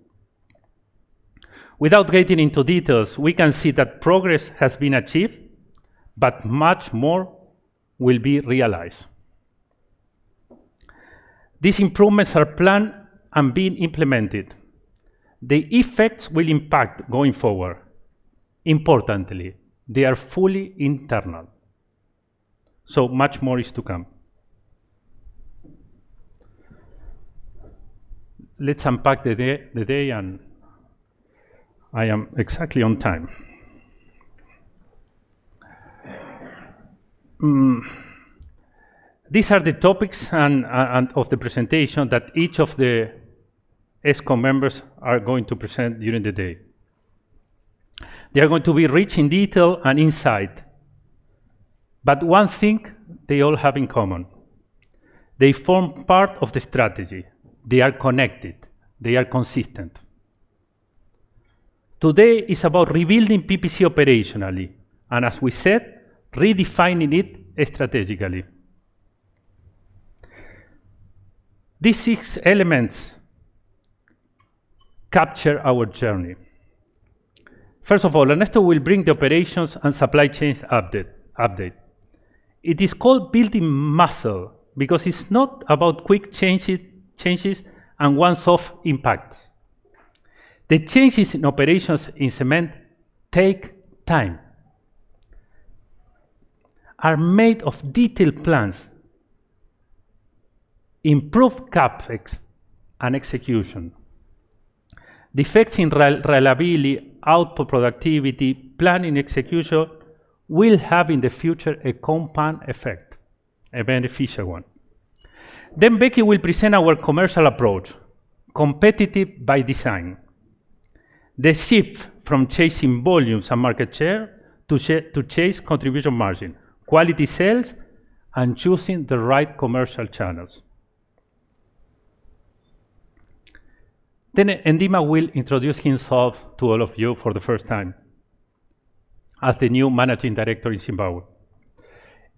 Without getting into details, we can see that progress has been achieved, but much more will be realized. These improvements are planned and being implemented. The effects will impact going forward. Importantly, they are fully internal, so much more is to come. Let's unpack the day and I am exactly on time. These are the topics and of the presentation that each of the ExCo members are going to present during the day. They are going to be rich in detail and insight, but one thing they all have in common. They form part of the strategy. They are connected, they are consistent. Today is about rebuilding PPC operationally and, as we said, redefining it strategically. These six elements capture our journey. First of all, Ernesto will bring the operations and supply chains update. It is called building muscle because it's not about quick changes and once-off impacts. The changes in operations in cement take time, are made of detailed plans, improve CapEx and execution. Defects in re-reliability, output productivity, planning execution will have in the future a compound effect, a beneficial one. Then, Bheki will present our commercial approach, competitive by design. The shift from chasing volumes and market share to chase contribution margin, quality sales, and choosing the right commercial channels. Ndima will introduce himself to all of you for the first time as the new managing director in Zimbabwe,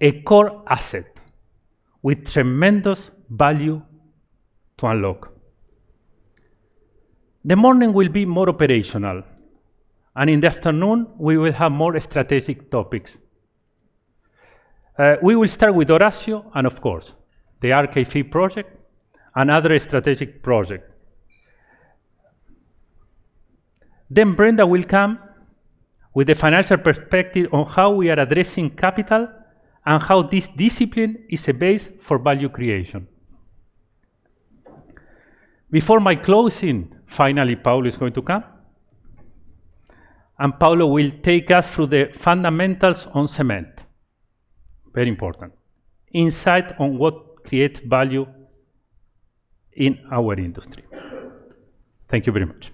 a core asset with tremendous value to unlock. The morning will be more operational, and in the afternoon, we will have more strategic topics. We will start with Horacio and of course, the RK3 project and other strategic project. Brenda will come with the financial perspective on how we are addressing capital and how this discipline is a base for value creation. Before my closing, finally, Paulo is going to come, and Paulo will take us through the fundamentals on cement. Very important. Insight on what creates value in our industry. Thank you very much.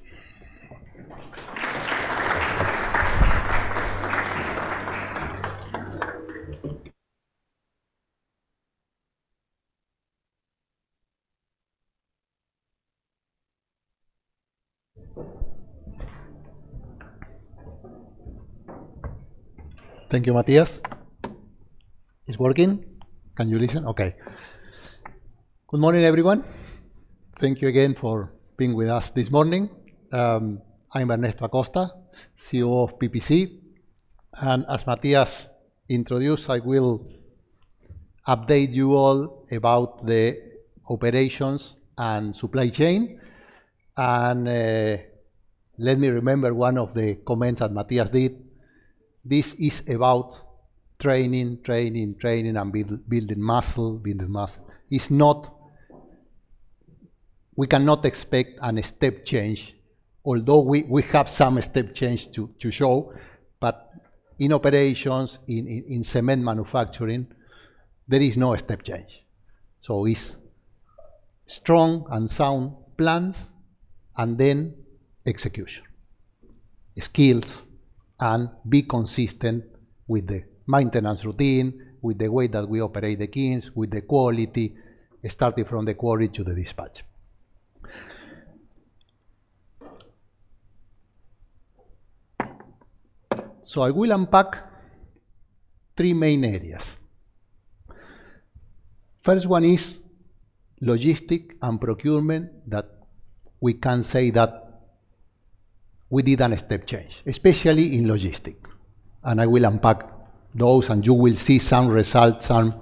Thank you, Matias. It's working? Can you listen? Okay. Good morning, everyone. Thank you again for being with us this morning. I'm Ernesto Acosta, COO of PPC, and as Matias introduced, I will update you all about the operations and supply chain. Let me remember one of the comments that Matias did. This is about training, training, training and building muscle, building muscle. It's not. We cannot expect a step change, although we have some step change to show. But in operations in cement manufacturing, there is no step change. It's strong and sound plans and then execution. Skills and be consistent with the maintenance routine, with the way that we operate the kilns, with the quality, starting from the quarry to the dispatch. I will unpack three main areas. First one is logistics and procurement, that we can say that we did a step change, especially in logistics. I will unpack those, and you will see some results, some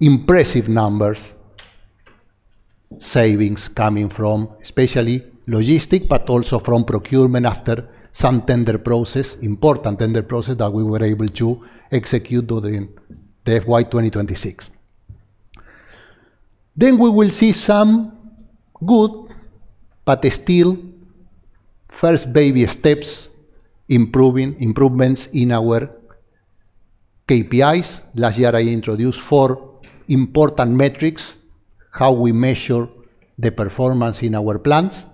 impressive numbers, savings coming from especially logistics, but also from procurement after some tender process, important tender process that we were able to execute during the FY 2026. We will see some good, but still first baby steps improvements in our KPIs. Last year, I introduced four important metrics, how we measure the performance in our plants.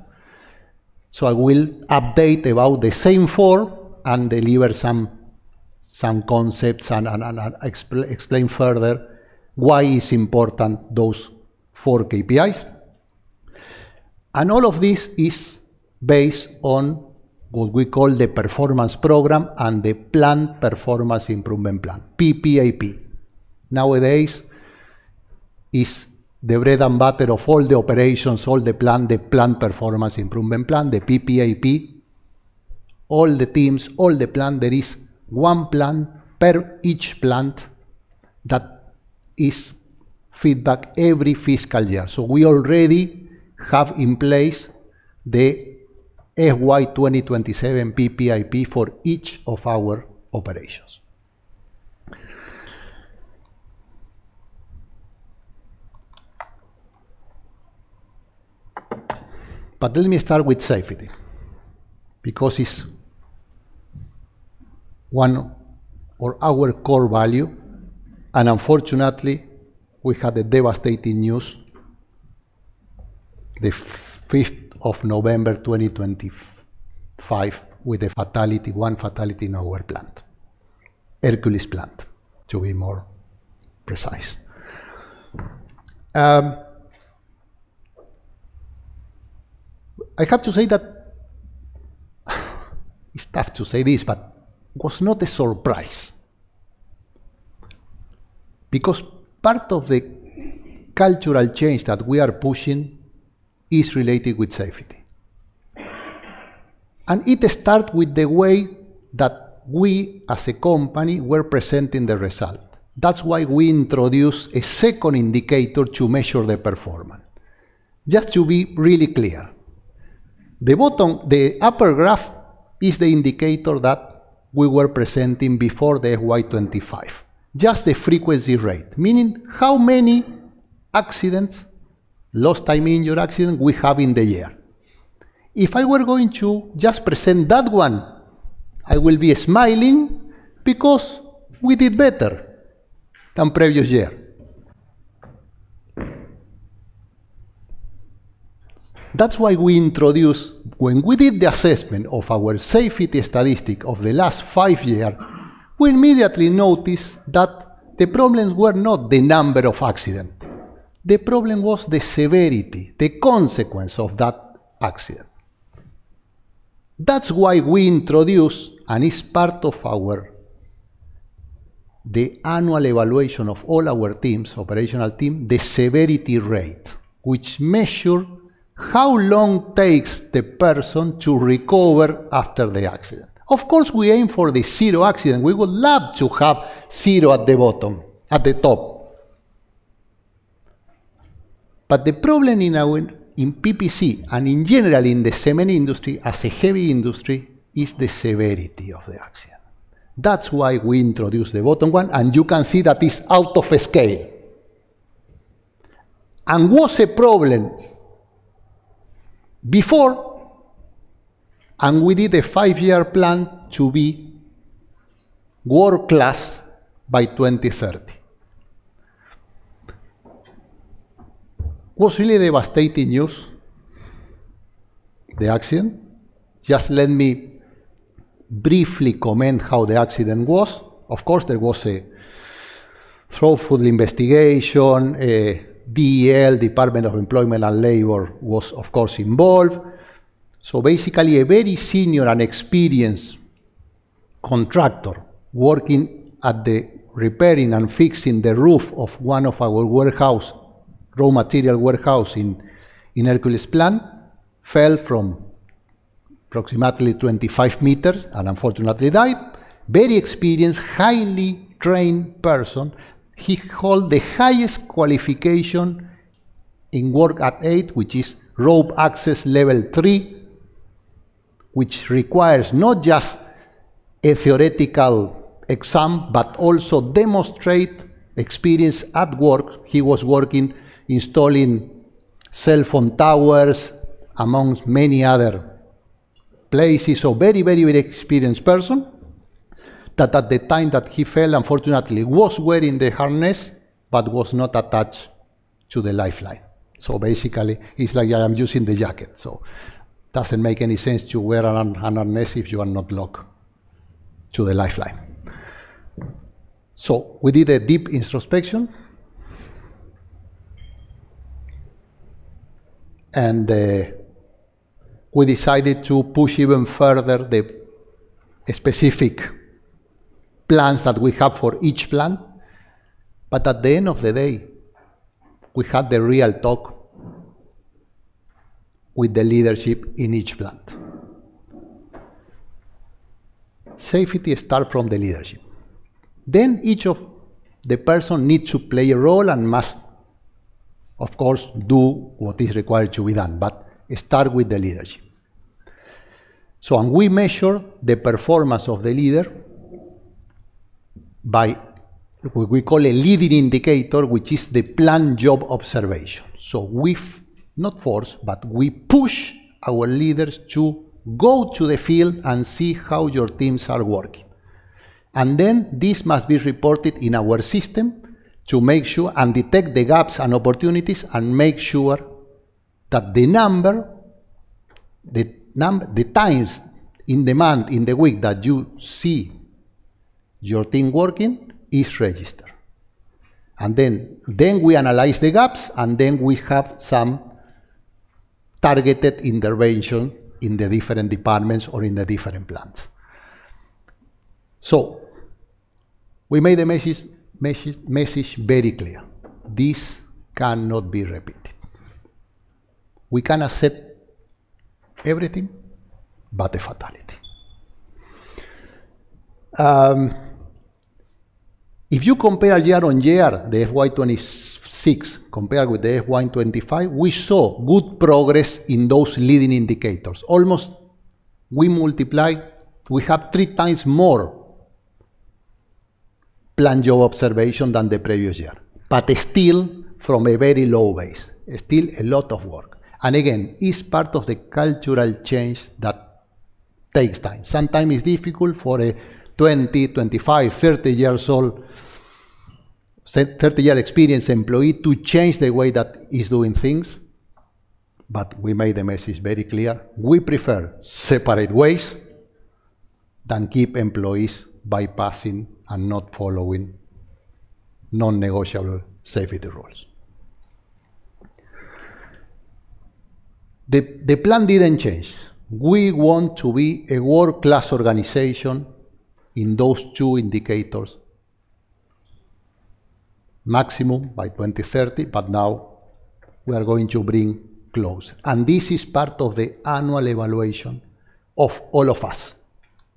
I will update about the same four and deliver some concepts and explain further why it's important, those four KPIs. All of this is based on what we call the performance program and the Plant Performance Improvement Plan, PPIP. Nowadays, it's the bread and butter of all the operations, all the plant, the Plant Performance Improvement Plan, the PPIP. All the teams, all the plant, there is one plan per each plant that is fed back every fiscal year. We already have in place the FY 2027 PPIP for each of our operations. Let me start with safety, because it's one of our core value and unfortunately, we had a devastating news the 5th of November 2025 with a fatality, one fatality in our plant. Hercules plant, to be more precise. I have to say that, it's tough to say this, but it was not a surprise. Because part of the cultural change that we are pushing is related with safety. It starts with the way that we, as a company, were presenting the results. That's why we introduced a second indicator to measure the performance. Just to be really clear. The upper graph is the indicator that we were presenting before the FY 2025, just the frequency rate, meaning how many accidents, lost time injury accidents, we have in the year. If I were going to just present that one, I will be smiling because we did better than previous year. That's why we introduced it. When we did the assessment of our safety statistics of the last five years, we immediately noticed that the problems were not the number of accidents. The problem was the severity, the consequence of that accident. That's why we introduced, and it's part of our, the annual evaluation of all our teams, operational team, the severity rate, which measure how long takes the person to recover after the accident. Of course, we aim for the zero accident. We would love to have zero at the bottom, at the top. But the problem in our, in PPC and in general in the cement industry as a heavy industry is the severity of the accident. That's why we introduced the bottom one, and you can see that it's out of scale. Was a problem before, and we did a five-year plan to be world-class by 2030. Was really devastating news, the accident. Just let me briefly comment how the accident was. Of course, there was a thorough investigation. DEL, Department of Employment and Labor, was of course involved. A very senior and experienced contractor working at the repairing and fixing the roof of one of our warehouse, raw material warehouse in Hercules plant, fell from approximately 25 meters and unfortunately died. Very experienced, highly trained person. He hold the highest qualification in work at height, which is Rope Access Level 3, which requires not just a theoretical exam, but also demonstrate experience at work. He was working installing cell phone towers amongst many other places. Very experienced person that at the time that he fell, unfortunately, was wearing the harness but was not attached to the lifeline. Basically, it's like I am using the jacket, so doesn't make any sense to wear a harness if you are not locked to the lifeline. We did a deep introspection. We decided to push even further the specific plans that we have for each plant. At the end of the day, we had the real talk with the leadership in each plant. Safety start from the leadership. Each of the person need to play a role and must, of course, do what is required to be done, but it start with the leadership. We measure the performance of the leader by we call a leading indicator, which is the planned job observation. We not force, but we push our leaders to go to the field and see how your teams are working. This must be reported in our system to make sure and detect the gaps and opportunities and make sure that the number, the times in the month, in the week that you see your team working is registered. We analyze the gaps, and then we have some targeted intervention in the different departments or in the different plants. We made the message very clear. This cannot be repeated. We can accept everything but a fatality. If you compare year-on-year, the FY 2026 compared with the FY 2025, we saw good progress in those leading indicators. We have 3x more planned job observation than the previous year. But still from a very low base. Still a lot of work. Again, it's part of the cultural change that takes time. Sometimes it's difficult for a 20-, 25-, 30-year-old, 30-year experienced employee to change the way that he's doing things. We made the message very clear. We prefer separate ways than keep employees bypassing and not following non-negotiable safety rules. The plan didn't change. We want to be a world-class organization in those two indicators maximum by 2030, but now we are going to bring close. This is part of the annual evaluation of all of us,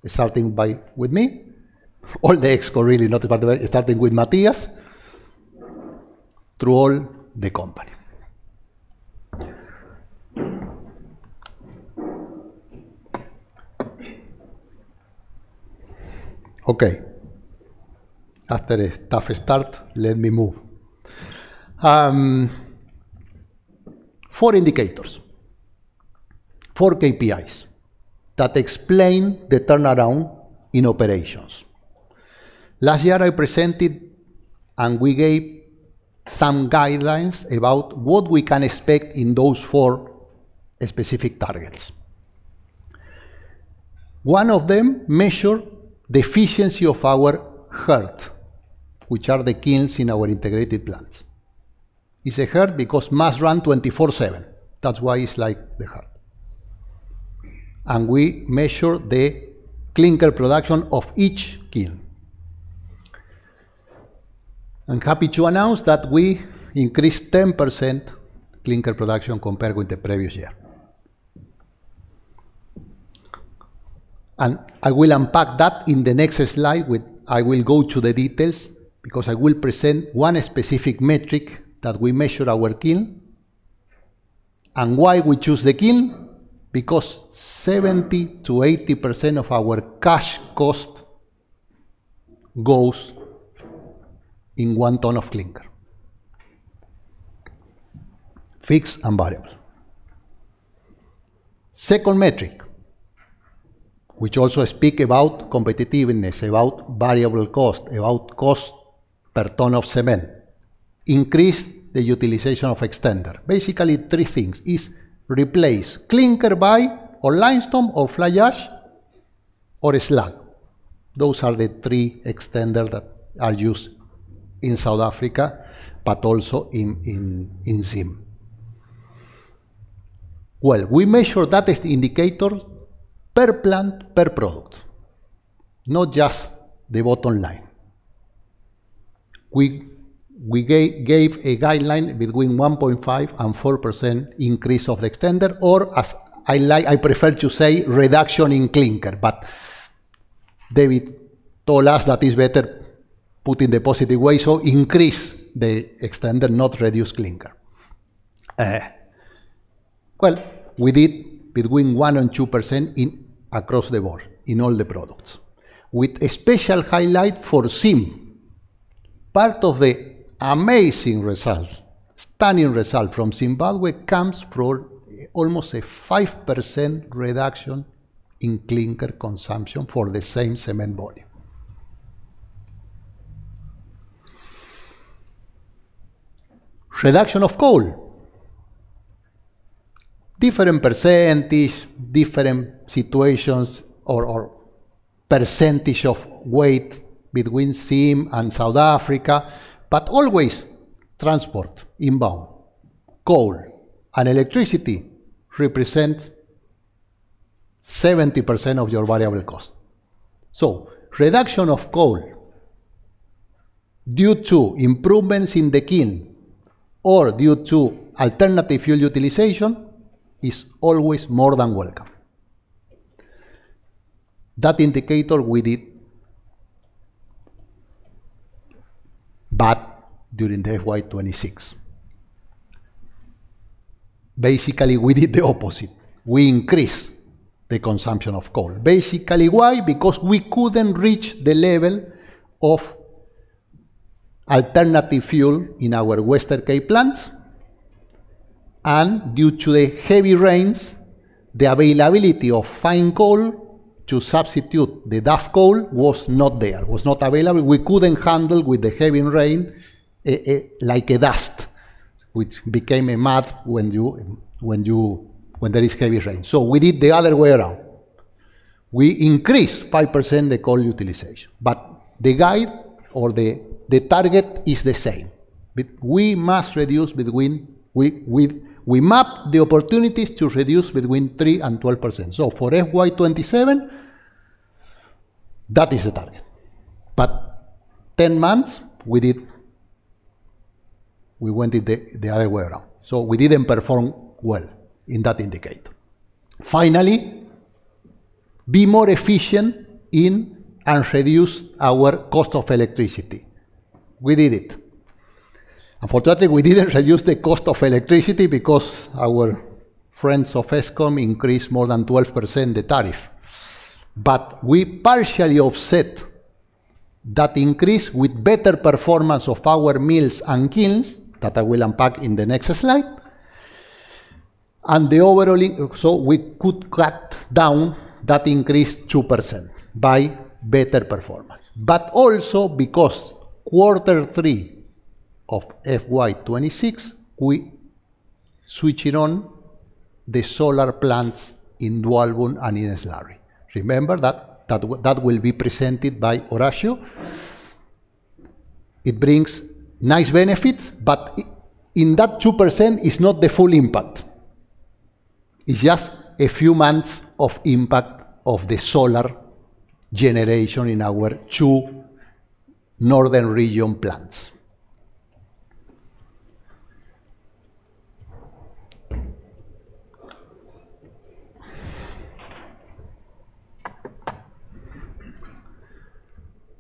starting with me, all the ExCo really, starting with Matias through all the company. Okay. After a tough start, let me move. Four indicators, four KPIs that explain the turnaround in operations. Last year I presented and we gave some guidelines about what we can expect in those four specific targets. One of them measure the efficiency of our heart, which are the kilns in our integrated plants. It's a heart because must run 24/7. That's why it's like the heart. We measure the clinker production of each kiln. I'm happy to announce that we increased 10% clinker production compared with the previous year. I will unpack that in the next slide I will go to the details because I will present one specific metric that we measure our kiln. Why we choose the kiln, because 70%-80% of our cash cost goes in one ton of clinker. Fixed and variable. Second metric, which also speak about competitiveness, about variable cost, about cost per ton of cement, increase the utilization of extender. Basically, three things is replace clinker by or limestone or fly ash or a slag. Those are the three extenders that are used in South Africa, but also in Zim. Well, we measure that indicator per plant, per product, not just the bottom line. We gave a guideline between 1.5% and 4% increase of the extender or as I prefer to say reduction in clinker. David told us that is better put in the positive way, so increase the extender, not reduce clinker. Well, we did between 1% and 2% an increase across the board in all the products with a special highlight for Zim. Part of the amazing result, stunning result from Zimbabwe comes from almost a 5% reduction in clinker consumption for the same cement volume. Reduction of coal. Different percentage, different situations or percentage of weight between Zim and South Africa but always transport inbound coal and electricity represent 70% of your variable cost. Reduction of coal due to improvements in the kiln or due to alternative fuel utilization is always more than welcome. That indicator we did bad during the FY 2026. Basically, we did the opposite. We increased the consumption of coal. Basically, why? Because we couldn't reach the level of alternative fuel in our Western Cape plants. Due to the heavy rains, the availability of fine coal to substitute the dust coal was not available. We couldn't handle with the heavy rain, like a dust, which became a mud when there is heavy rain. We did the other way around. We increased 5% the coal utilization. The guide or the target is the same. We map the opportunities to reduce between 3%-12%. For FY 2027, that is the target. 10 months we went the other way around. We didn't perform well in that indicator. Finally, be more efficient in and reduce our cost of electricity. We did it. Unfortunately, we didn't reduce the cost of electricity because our friends of Eskom increased more than 12% the tariff. We partially offset that increase with better performance of our mills and kilns that I will unpack in the next slide. Overall, we could cut down that increase 2% by better performance. Also, because Q3 of FY 2026, we switching on the solar plants in Dwaalboom and in Slurry. Remember that will be presented by Horacio. It brings nice benefits, but in that 2% it's not the full impact. It's just a few months of impact of the solar generation in our two northern region plants.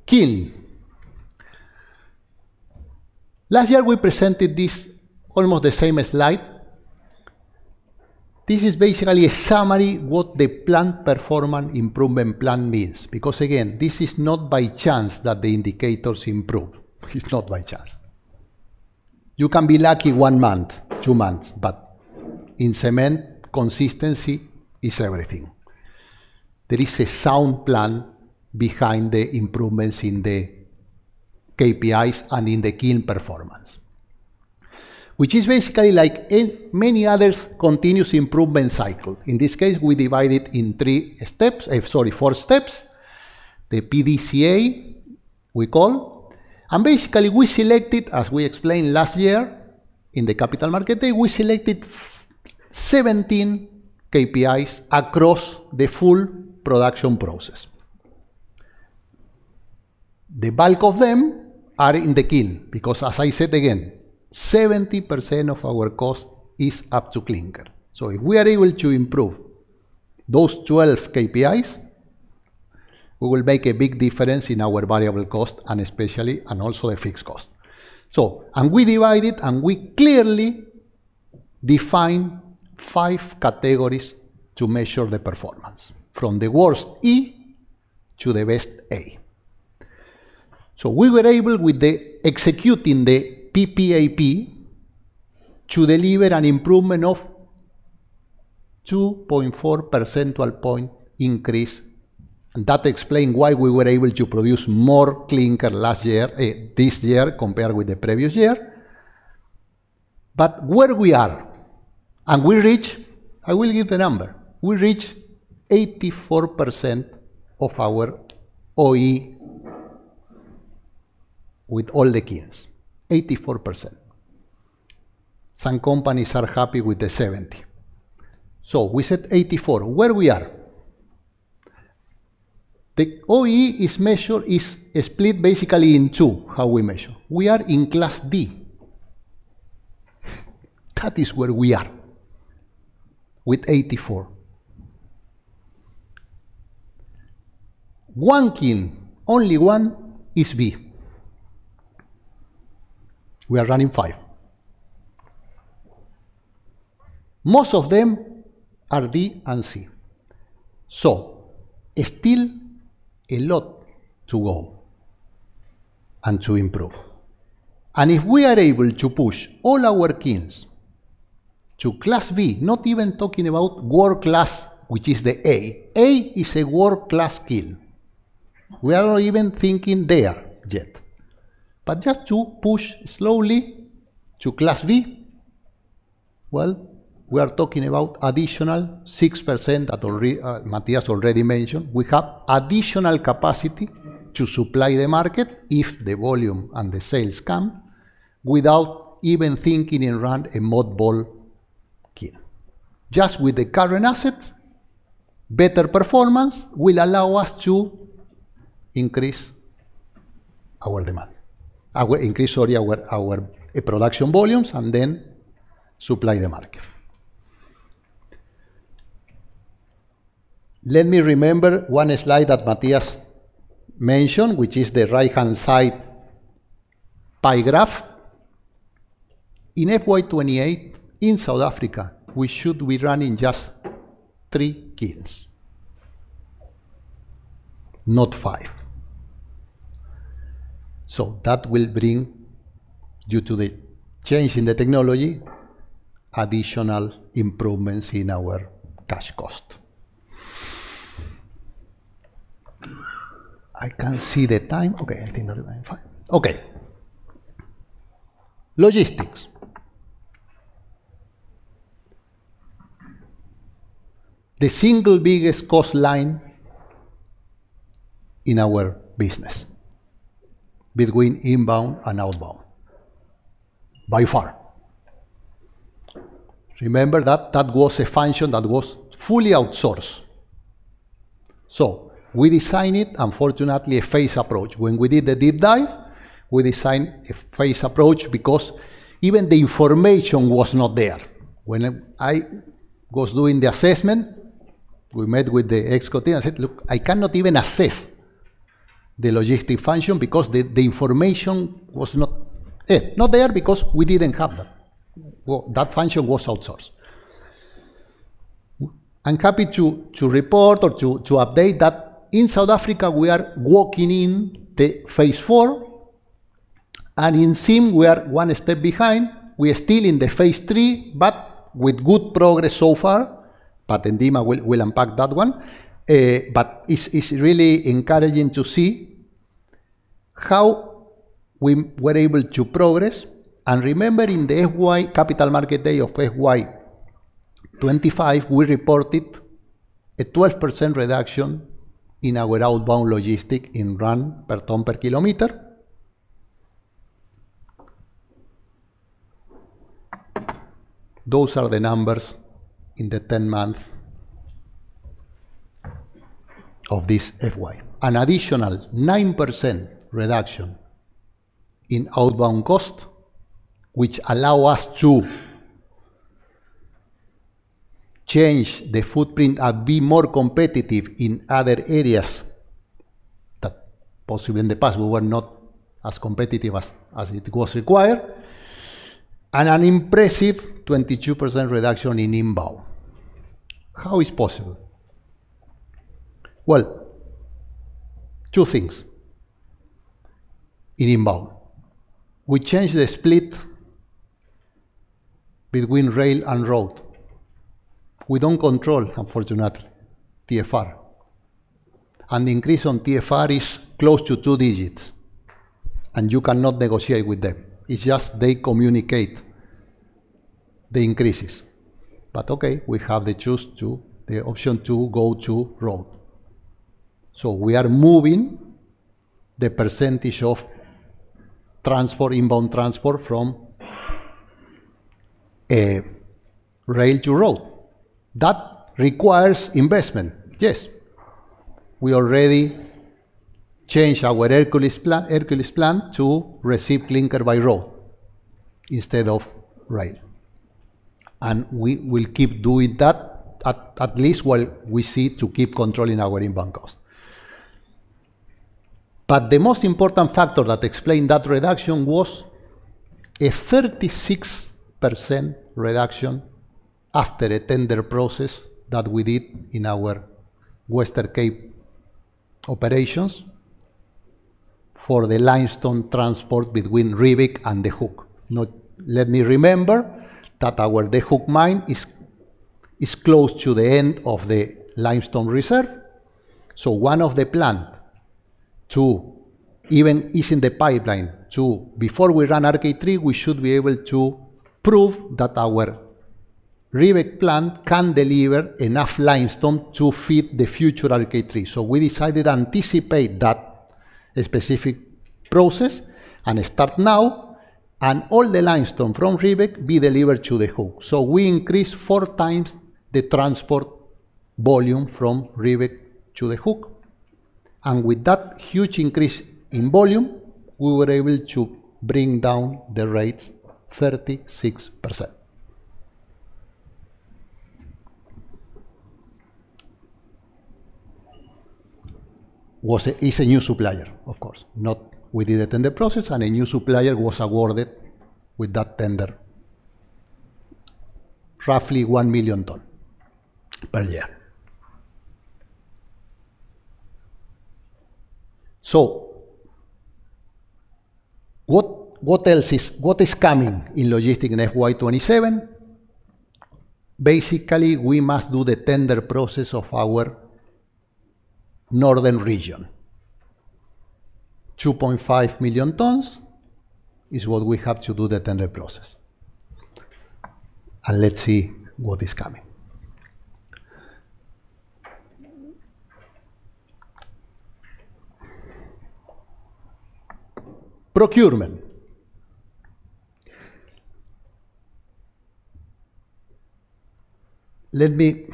Kiln. Last year we presented this almost the same slide. This is basically a summary what the Plant Performance Improvement Plan means, because again, this is not by chance that the indicators improve. It's not by chance. You can be lucky one month, two months, but in cement, consistency is everything. There is a sound plan behind the improvements in the KPIs and in the kiln performance, which is basically like in many others, continuous improvement cycle. In this case, we divide it in three steps, four steps. The PDCA we call, and basically we selected, as we explained last year in the Capital Markets Day, 17 KPIs across the full production process. The bulk of them are in the kiln because as I said again, 70% of our cost is up to clinker. If we are able to improve those 12 KPIs, we will make a big difference in our variable cost and especially, and also a fixed cost. We divide it, and we clearly define five categories to measure the performance from the worst, E, to the best, A. We were able executing the PPIP to deliver an improvement of 2.4 percentage point increase, and that explain why we were able to produce more clinker last year, this year compared with the previous year. Where we are, and we reach, I will give the number. We reach 84% of our OEE with all the kilns. 84%. Some companies are happy with the 70%. We said 84%. Where we are? The OEE is measured, is split basically in two, how we measure. We are in class D. That is where we are with 84%. One kiln, only one, is B. We are running five. Most of them are D and C. Still a lot to go and to improve. If we are able to push all our kilns to class B, not even talking about world-class, which is the A. A is a world-class kiln. We are not even thinking there yet. Just to push slowly to class B, well, we are talking about additional 6% that already, Matias already mentioned. We have additional capacity to supply the market if the volume and the sales come without even thinking of running a mothball kiln. Just with the current assets, better performance will allow us to increase our production volumes and then supply the market. Let me remember one slide that Matias mentioned, which is the right-hand side pie chart. In FY 2028 in South Africa, we should be running just three kilns, not five. That will bring, due to the change in the technology, additional improvements in our cash cost. I can't see the time. Okay, I think that we're fine. Okay. Logistics. The single biggest cost line in our business between inbound and outbound, by far. Remember that was a function that was fully outsourced. We design it, unfortunately, a phased approach. When we did the deep dive, we designed a phase approach because even the information was not there. When I was doing the assessment, we met with the ExCo team. I said, "Look, I cannot even assess the logistics function because the information was not there because we didn't have that." Well, that function was outsourced. I'm happy to report or to update that in South Africa, we are working in phase IV, and in Zim we are one step behind. We are still in phase III, but with good progress so far. Ndima will unpack that one. It's really encouraging to see how we were able to progress. Remember in the Capital Markets Day of FY 2025, we reported a 12% reduction in our outbound logistics in rand per tonne per kilometer. Those are the numbers in the 10-month of this FY. An additional 9% reduction in outbound cost, which allows us to change the footprint and be more competitive in other areas that possibly in the past we were not as competitive as it was required, and an impressive 22% reduction in inbound. How is it possible? Well, two things in inbound. We changed the split between rail and road. We don't control, unfortunately, TFR. The increase on TFR is close to two digits, and you cannot negotiate with them. It's just they communicate the increases. Okay, we have the option to go to road. We are moving the percentage of transport, inbound transport from rail to road. That requires investment, yes. We already changed our Hercules plant to receive clinker by road instead of rail. We will keep doing that at least while we seek to keep controlling our inbound cost. The most important factor that explained that reduction was a 36% reduction after a tender process that we did in our Western Cape operations for the limestone transport between Riebeek and De Hoek. Now, let me remind you that our De Hoek mine is close to the end of the limestone reserve. One of the plans to extend is in the pipeline before we run RK3, we should be able to prove that our Riebeek plant can deliver enough limestone to feed the future RK3. We decided to anticipate that specific process and start now, and all the limestone from Riebeek be delivered to De Hoek. We increased 4x the transport volume from Riebeek to De Hoek. With that huge increase in volume, we were able to bring down the rates 36%. It was a new supplier, of course. Now, we did a tender process, and a new supplier was awarded with that tender. Roughly 1 million tonne per year. What is coming in logistics in FY 2027? Basically, we must do the tender process of our northern region. 2.5 million tonnes is what we have to do the tender process. Let's see what is coming. Procurement. Let me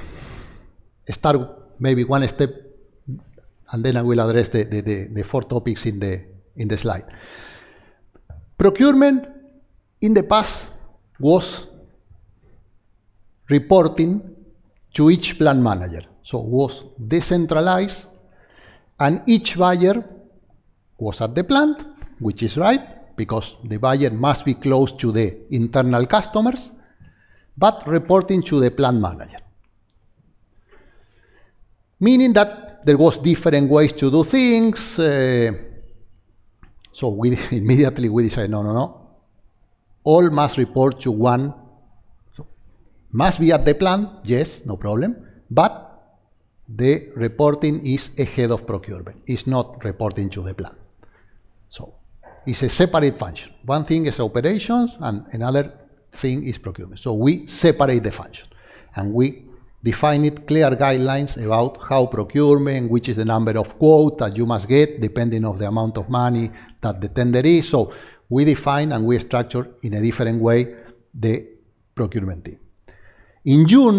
start maybe one step, and then I will address the four topics in the slide. Procurement in the past was reporting to each plant manager. It was decentralized, and each buyer was at the plant, which is right, because the buyer must be close to the internal customers, but reporting to the plant manager. Meaning that there was different ways to do things, we immediately decide, "No, no. All must report to one." Must be at the plant? Yes, no problem. But the reporting is a head of procurement, is not reporting to the plant. It's a separate function. One thing is operations, and another thing is procurement. We separate the function, and we define it clear guidelines about how procurement, which is the number of quote that you must get depending on the amount of money that the tender is. We define and we structure in a different way the procurement team. In June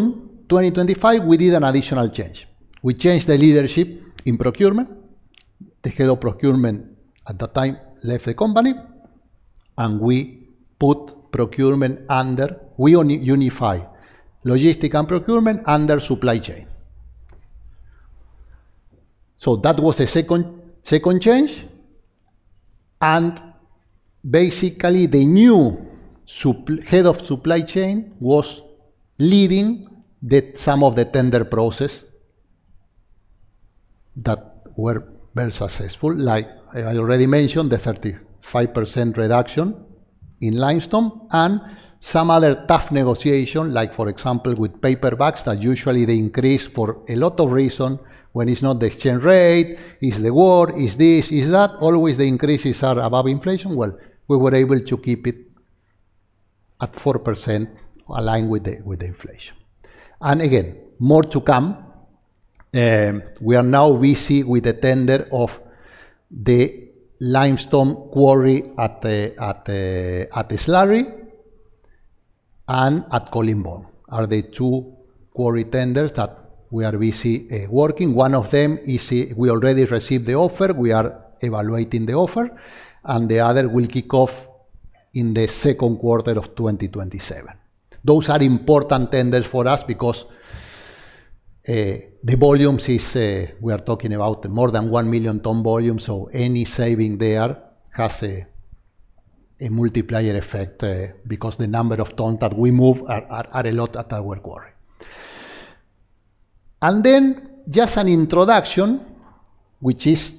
2025, we did an additional change. We changed the leadership in procurement. The head of procurement at that time left the company, and we unified logistics and procurement under supply chain. That was the second change. Basically, the new head of supply chain was leading some of the tender processes that were very successful. Like I already mentioned, the 35% reduction in limestone and some other tough negotiations, like for example, with paper bags that usually they increase for a lot of reasons. When it's not the exchange rate, it's the war, it's this, it's that. Always the increases are above inflation. Well, we were able to keep it at 4% aligned with the inflation. Again, more to come. We are now busy with the tender of the limestone quarry at the Slurry and at Colleen Bawn are the two quarry tenders that we are busy working. One of them is we already received the offer. We are evaluating the offer, and the other will kick off in the second quarter of 2027. Those are important tenders for us because the volumes is we are talking about more than 1 million tonne volume, so any saving there has a multiplier effect because the number of tonnes that we move are a lot at our quarry. Then just an introduction, which is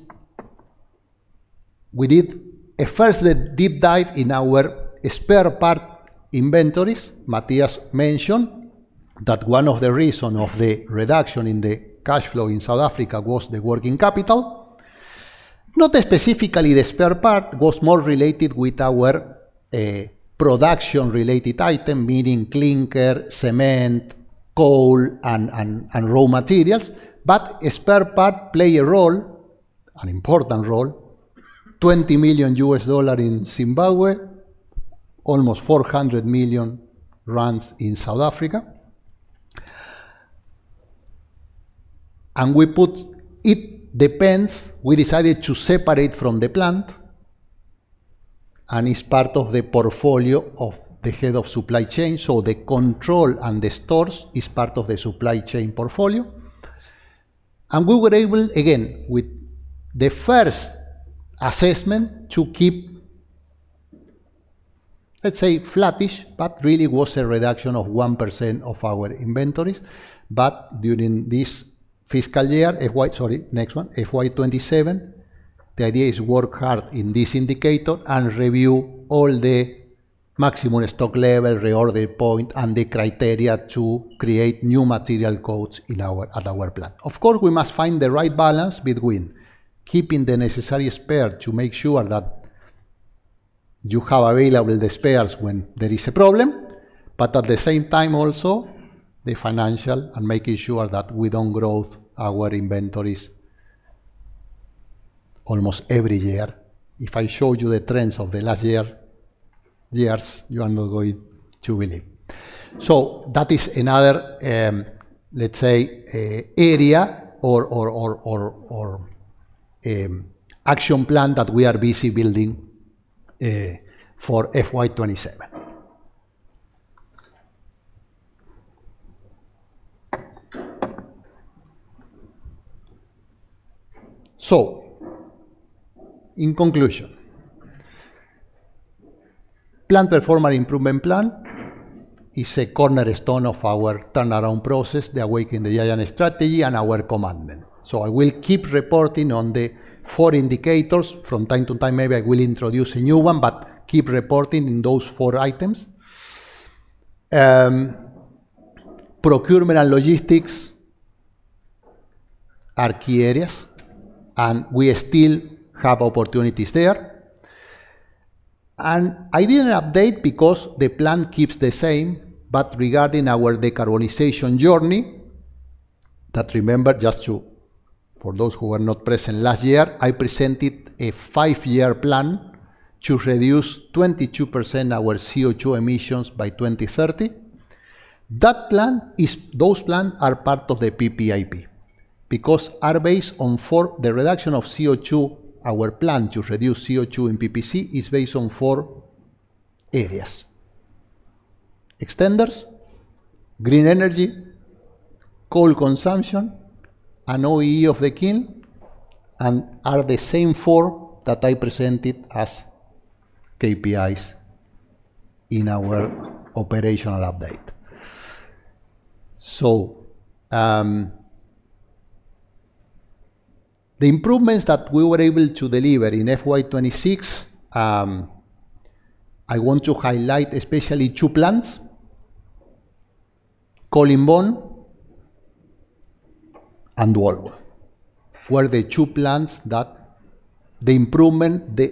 we did a first deep dive in our spare part inventories. Matias mentioned that one of the reason of the reduction in the cash flow in South Africa was the working capital. Not specifically the spare part, was more related with our production-related item, meaning clinker, cement, coal, and raw materials. A spare part plays a role, an important role, $20 million in Zimbabwe, almost 400 million in South Africa. We but it depends. We decided to separate from the plant, and it's part of the portfolio of the head of supply chain. The control and the stores is part of the supply chain portfolio. We were able, again, with the first assessment to keep, let's say, flattish, but really was a reduction of 1% of our inventories. During this fiscal year, FY 2027, the idea is work hard in this indicator and review all the maximum stock level, reorder point, and the criteria to create new material codes at our plant. Of course, we must find the right balance between keeping the necessary spare to make sure that you have available the spares when there is a problem, but at the same time also the financial and making sure that we don't grow our inventories almost every year. If I show you the trends of the last years, you are not going to believe. That is another, let's say, area or action plan that we are busy building for FY 2027. In conclusion, Plant Performance Improvement Plan is a cornerstone of our turnaround process, the Awaken the Giant strategy, and our commitment. I will keep reporting on the four indicators. From time to time, maybe I will introduce a new one, but keep reporting in those four items. Procurement and logistics are key areas, and we still have opportunities there. I didn't update because the plan keeps the same, but regarding our decarbonization journey, for those who were not present last year, I presented a five-year plan to reduce 22% our CO2 emissions by 2030. That plan is part of the PPIP. The reduction of CO2, our plan to reduce CO2 in PPC is based on four areas: extenders, green energy, coal consumption, and OEE of the kiln, and are the same four that I presented as KPIs in our operational update. The improvements that we were able to deliver in FY 2026, I want to highlight especially two plants, Colleen Bawn and Dwaalboom, were the two plants that the improvement, the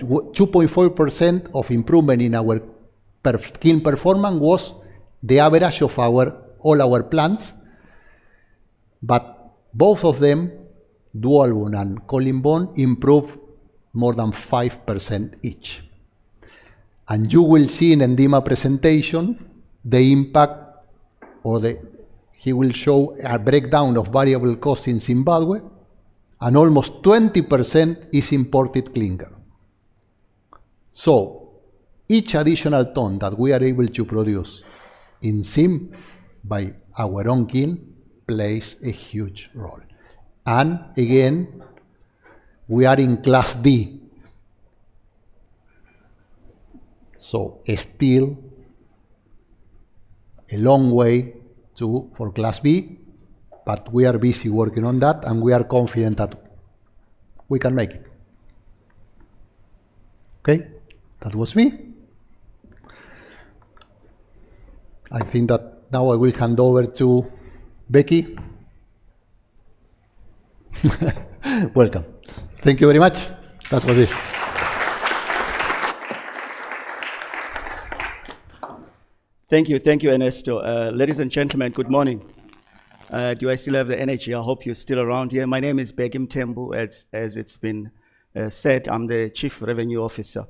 2.4% improvement in our kiln performance was the average of all our plants. Both of them, Dwaalboom and Colleen Bawn, improved more than 5% each. You will see in Ndima presentation the impact he will show a breakdown of variable costs in Zimbabwe, and almost 20% is imported clinker. Each additional tonne that we are able to produce in Zim by our own kiln plays a huge role. Again, we are in Class B. Still a long way to go for Class B, but we are busy working on that, and we are confident that we can make it. That was me. I think that now I will hand over to Bheki. Welcome. Thank you very much. That was it. Thank you. Thank you, Ernesto. Ladies and gentlemen, good morning. Do I still have the energy? I hope you're still around here. My name is Bheki Mthembu, as it's been said. I'm the Chief Revenue Officer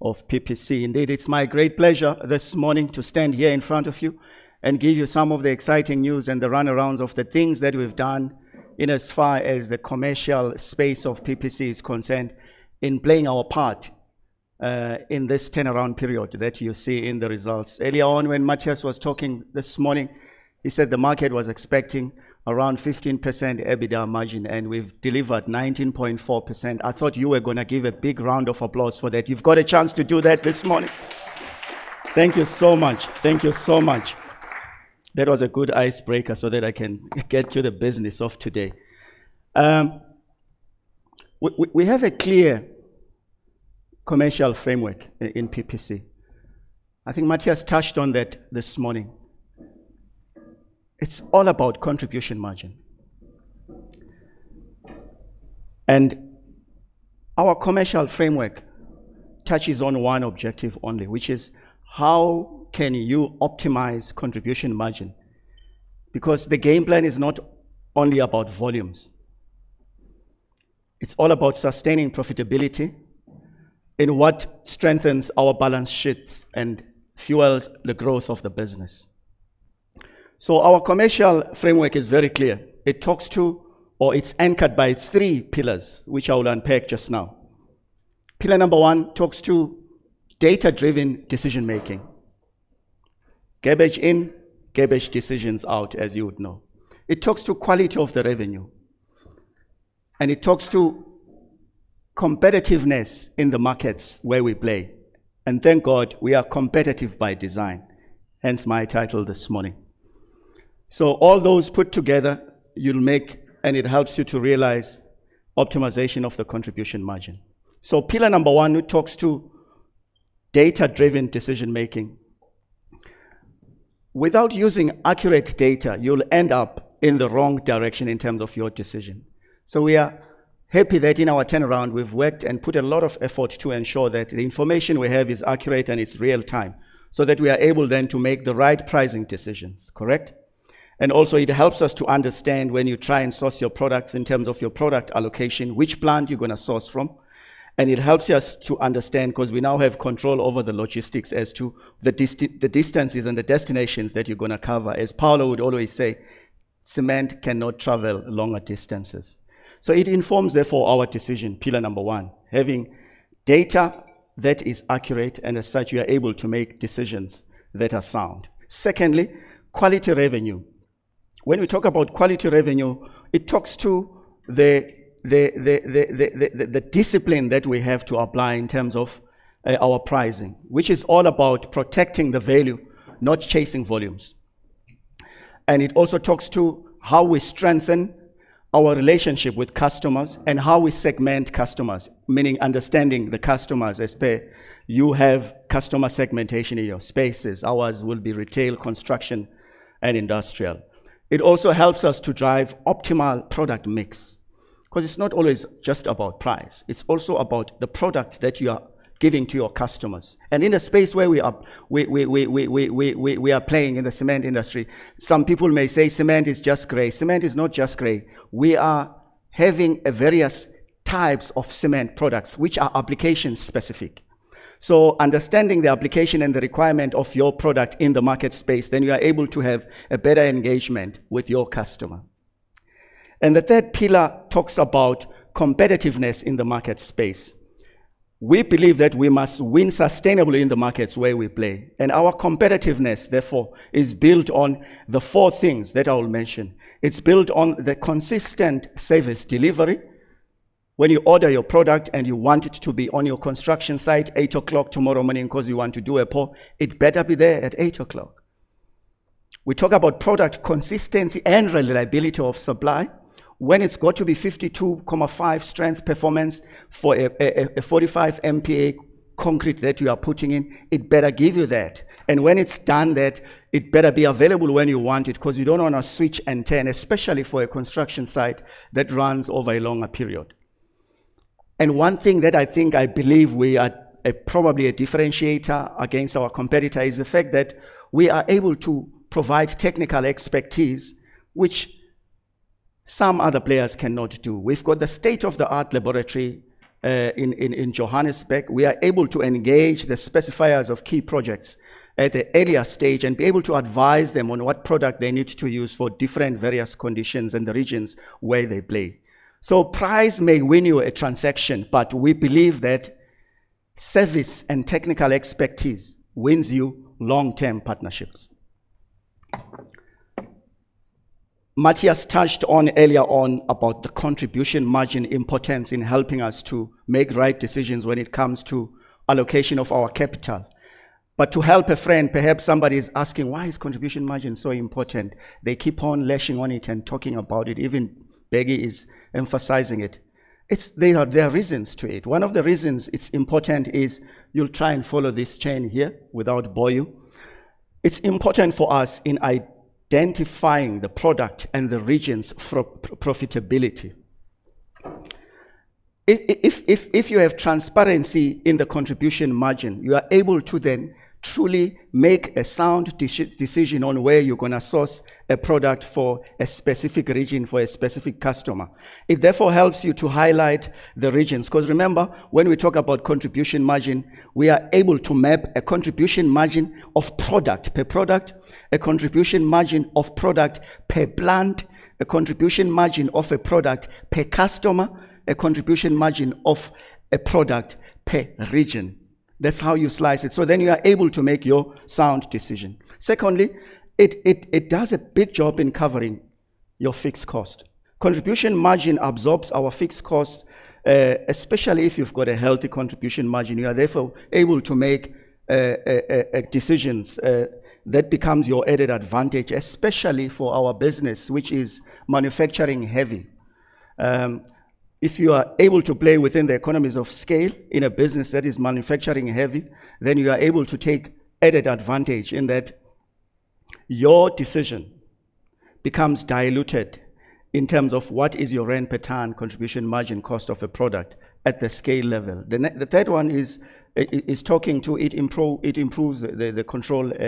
of PPC. Indeed, it's my great pleasure this morning to stand here in front of you and give you some of the exciting news and the rundown of the things that we've done in as far as the commercial space of PPC is concerned in playing our part in this turnaround period that you see in the results. Early on when Matias was talking this morning, he said the market was expecting around 15% EBITDA margin, and we've delivered 19.4%. I thought you were gonna give a big round of applause for that. You've got a chance to do that this morning. Thank you so much. Thank you so much. That was a good icebreaker so that I can get to the business of today. We have a clear commercial framework in PPC. I think Matias touched on that this morning. It's all about contribution margin. Our commercial framework touches on one objective only, which is how can you optimize contribution margin? Because the game plan is not only about volumes. It's all about sustaining profitability and what strengthens our balance sheets and fuels the growth of the business. Our commercial framework is very clear. It talks to or it's anchored by three pillars, which I will unpack just now. Pillar number one talks to data-driven decision making. Garbage in, garbage decisions out, as you would know. It talks to quality of the revenue, and it talks to competitiveness in the markets where we play. Thank God we are competitive by design, hence my title this morning. All those put together, you'll make and it helps you to realize optimization of the contribution margin. Pillar number one talks to data-driven decision making. Without using accurate data, you'll end up in the wrong direction in terms of your decision. We are happy that in our turnaround we've worked and put a lot of effort to ensure that the information we have is accurate and it's real time, so that we are able then to make the right pricing decisions, correct? Also it helps us to understand when you try and source your products in terms of your product allocation, which plant you're gonna source from. It helps us to understand because we now have control over the logistics as to the distances and the destinations that you're gonna cover. As Paulo would always say, "Cement cannot travel longer distances." It informs therefore our decision, pillar number one, having data that is accurate and as such you are able to make decisions that are sound. Secondly, quality revenue. When we talk about quality revenue, it talks to the discipline that we have to apply in terms of our pricing, which is all about protecting the value, not chasing volumes. It also talks to how we strengthen our relationship with customers and how we segment customers, meaning understanding the customers. You have customer segmentation in your spaces. Ours will be retail, construction, and industrial. It also helps us to drive optimal product mix, because it's not always just about price. It's also about the product that you are giving to your customers. In a space where we are playing in the cement industry, some people may say cement is just gray. Cement is not just gray. We are having a various types of cement products which are application specific. Understanding the application and the requirement of your product in the market space, then you are able to have a better engagement with your customer. The third pillar talks about competitiveness in the market space. We believe that we must win sustainably in the markets where we play, and our competitiveness therefore is built on the four things that I will mention. It's built on the consistent service delivery. When you order your product and you want it to be on your construction site at 8:00 A.M. tomorrow morning because you want to do a pour, it better be there at 8:00 A.M. We talk about product consistency and reliability of supply. When it's got to be 52.5 strength performance for a 45 MPa concrete that you are putting in, it better give you that. When it's done that, it better be available when you want it because you don't want to switch and turn, especially for a construction site that runs over a longer period. One thing that I think I believe we are probably a differentiator against our competitor is the fact that we are able to provide technical expertise which some other players cannot do. We've got the state-of-the-art laboratory in Johannesburg. We are able to engage the specifiers of key projects at an earlier stage and be able to advise them on what product they need to use for different various conditions in the regions where they play. Price may win you a transaction, but we believe that service and technical expertise wins you long-term partnerships. Matias touched on earlier on about the contribution margin importance in helping us to make right decisions when it comes to allocation of our capital. To help a friend, perhaps somebody is asking, "Why is contribution margin so important? They keep on lashing on it and talking about it. Even Bheki is emphasizing it." There are reasons to it. One of the reasons it's important is you'll try and follow this chain here without boring you. It's important for us in identifying the products and the regions' profitability. If you have transparency in the contribution margin, you are able to then truly make a sound decision on where you're gonna source a product for a specific region for a specific customer. It therefore helps you to highlight the regions, because remember, when we talk about contribution margin, we are able to map a contribution margin of product per product, a contribution margin of product per plant, a contribution margin of a product per customer, a contribution margin of a product per region. That's how you slice it. You are able to make your sound decision. Secondly, it does a big job in covering your fixed cost. Contribution margin absorbs our fixed cost, especially if you've got a healthy contribution margin. You are therefore able to make a decision that becomes your added advantage, especially for our business, which is manufacturing heavy. If you are able to play within the economies of scale in a business that is manufacturing heavy, then you are able to take added advantage in that your decision becomes diluted in terms of what is your rand per tonne contribution margin cost of a product at the scale level. The third one is it improves the control at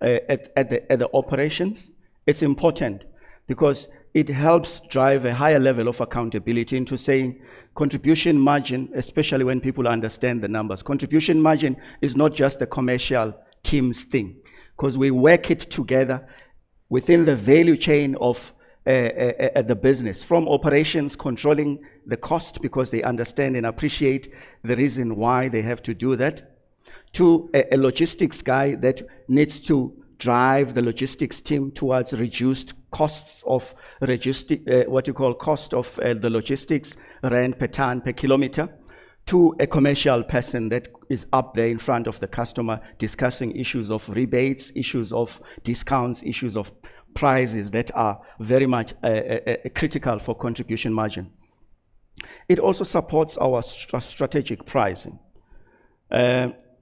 the operations. It's important because it helps drive a higher level of accountability into saying contribution margin, especially when people understand the numbers. Contribution margin is not just the commercial team's thing, 'cause we work it together within the value chain of at the business. From operations controlling the cost because they understand and appreciate the reason why they have to do that, to a logistics guy that needs to drive the logistics team towards reduced costs of logistics, what you call cost of the logistics rand per tonne per kilometer, to a commercial person that is up there in front of the customer discussing issues of rebates, issues of discounts, issues of prices that are very much critical for contribution margin. It also supports our strategic pricing.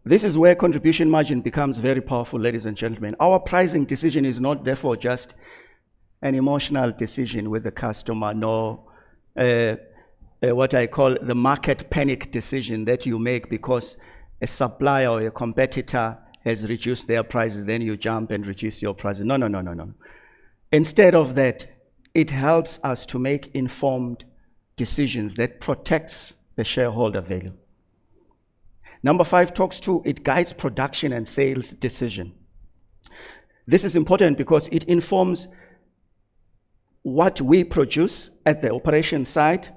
This is where contribution margin becomes very powerful, ladies and gentlemen. Our pricing decision is not therefore just an emotional decision with the customer nor what I call the market panic decision that you make because a supplier or your competitor has reduced their prices, then you jump and reduce your prices. No. Instead of that, it helps us to make informed decisions that protects the shareholder value. Number five talks to it. It guides production and sales decision. This is important because it informs what we produce at the operation site,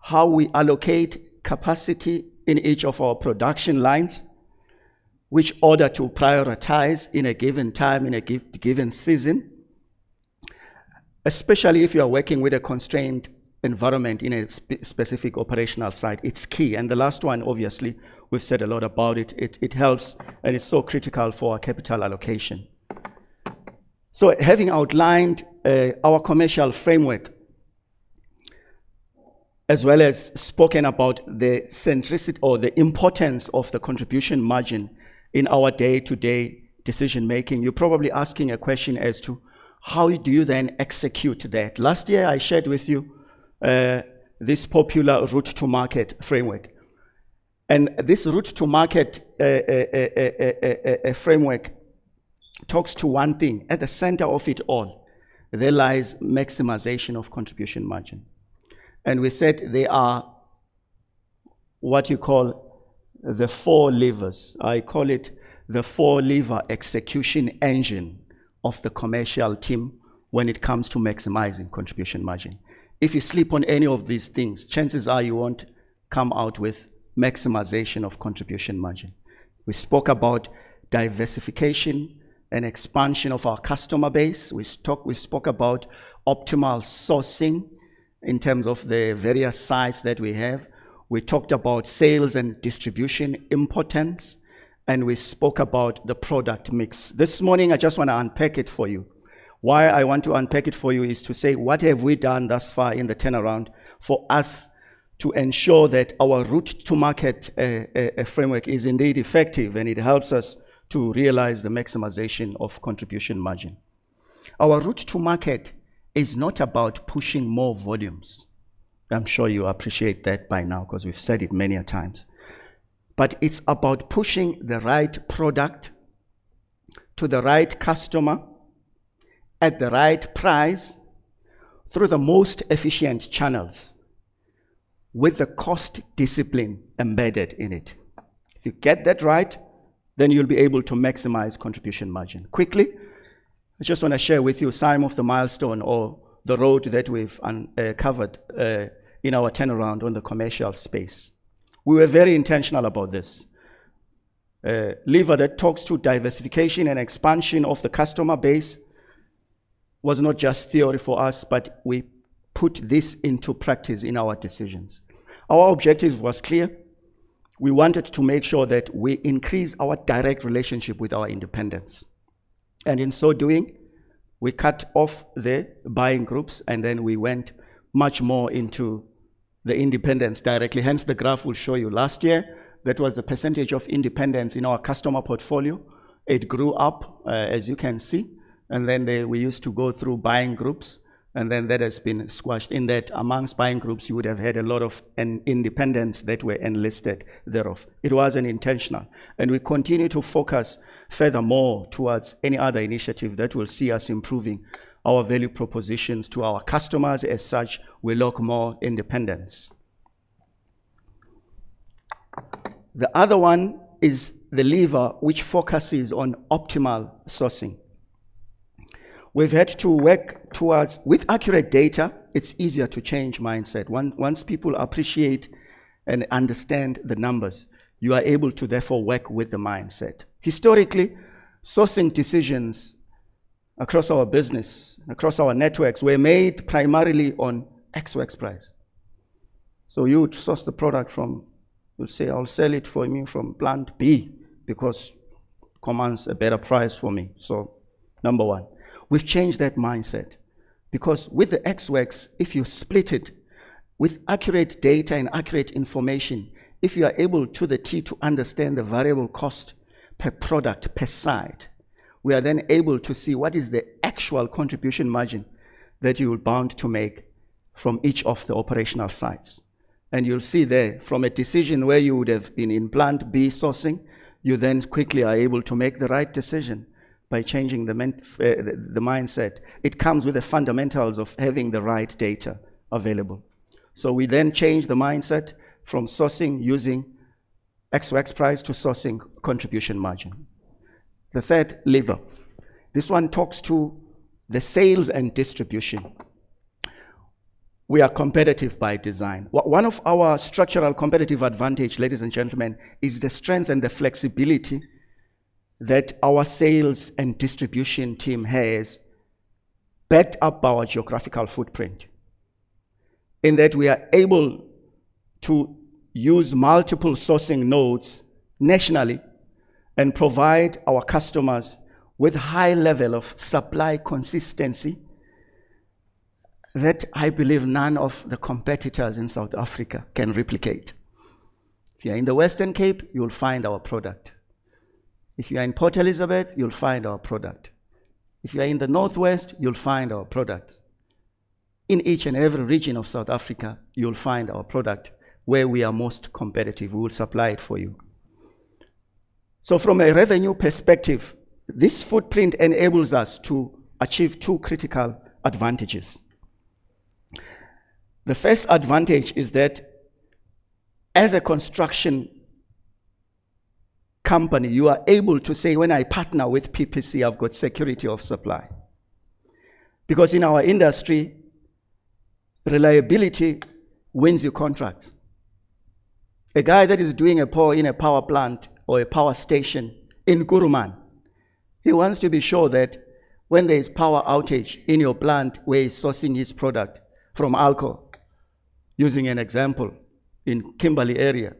how we allocate capacity in each of our production lines, which order to prioritize in a given time, in a given season, especially if you are working with a constrained environment in a specific operational site. It's key. The last one, obviously, we've said a lot about it. It helps and is so critical for our capital allocation. Having outlined our commercial framework, as well as spoken about the centricity or the importance of the contribution margin in our day-to-day decision-making, you're probably asking a question as to how do you then execute that? Last year, I shared with you this popular route to market framework. This route to market framework talks to one thing. At the center of it all, there lies maximization of contribution margin. We said there are what you call the four levers. I call it the four lever execution engine of the commercial team when it comes to maximizing contribution margin. If you sleep on any of these things, chances are you won't come out with maximization of contribution margin. We spoke about diversification and expansion of our customer base. We spoke about optimal sourcing in terms of the various sites that we have. We talked about sales and distribution importance, and we spoke about the product mix. This morning, I just wanna unpack it for you. Why I want to unpack it for you is to say, what have we done thus far in the turnaround for us to ensure that our route to market framework is indeed effective, and it helps us to realize the maximization of contribution margin. Our route to market is not about pushing more volumes. I'm sure you appreciate that by now because we've said it many a times. It's about pushing the right product to the right customer at the right price through the most efficient channels with the cost discipline embedded in it. If you get that right, then you'll be able to maximize contribution margin. Quickly, I just wanna share with you a sign of the milestone or the road that we've covered in our turnaround on the commercial space. We were very intentional about this. Lever that talks to diversification and expansion of the customer base was not just theory for us, but we put this into practice in our decisions. Our objective was clear. We wanted to make sure that we increase our direct relationship with our independents. In so doing, we cut off the buying groups, and then we went much more into the independents directly. Hence, the graph will show you last year, that was the percentage of independents in our customer portfolio. It grew up, as you can see. We used to go through buying groups, and then that has been squashed in that amongst buying groups, you would have had a lot of independents that were enlisted thereof. It wasn't intentional. We continue to focus furthermore towards any other initiative that will see us improving our value propositions to our customers. As such, we look for more independents. The other one is the lever which focuses on optimal sourcing. We've had to work with accurate data. It's easier to change mindset. Once people appreciate and understand the numbers, you are able to therefore work with the mindset. Historically, sourcing decisions across our business, across our networks were made primarily on ex works price. You would source the product from. You'd say, "I'll sell it for you from plant B because it commands a better price for me." Number one. We've changed that mindset because with the ex works, if you split it with accurate data and accurate information, if you are able to understand the variable cost per product per site, we are then able to see what is the actual contribution margin that you are bound to make from each of the operational sites. You'll see there from a decision where you would have been in plant B sourcing, you then quickly are able to make the right decision by changing the mindset. It comes with the fundamentals of having the right data available. We then change the mindset from sourcing using ex works price to sourcing contribution margin. The third lever. This one talks to the sales and distribution. We are competitive by design. One of our structural competitive advantage, ladies and gentlemen, is the strength and the flexibility that our sales and distribution team has backed up our geographical footprint. In that we are able to use multiple sourcing nodes nationally and provide our customers with high level of supply consistency that I believe none of the competitors in South Africa can replicate. If you're in the Western Cape, you'll find our product. If you are in Port Elizabeth, you'll find our product. If you are in the North West, you'll find our product. In each and every region of South Africa, you'll find our product where we are most competitive. We will supply it for you. From a revenue perspective, this footprint enables us to achieve two critical advantages. The first advantage is that as a construction company, you are able to say, "When I partner with PPC, I've got security of supply." Because in our industry, reliability wins you contracts. A guy that is doing a pole in a power plant or a power station in Kuruman, he wants to be sure that when there's power outage in your plant where he's sourcing his product from Ulco, using an example in Kimberley area,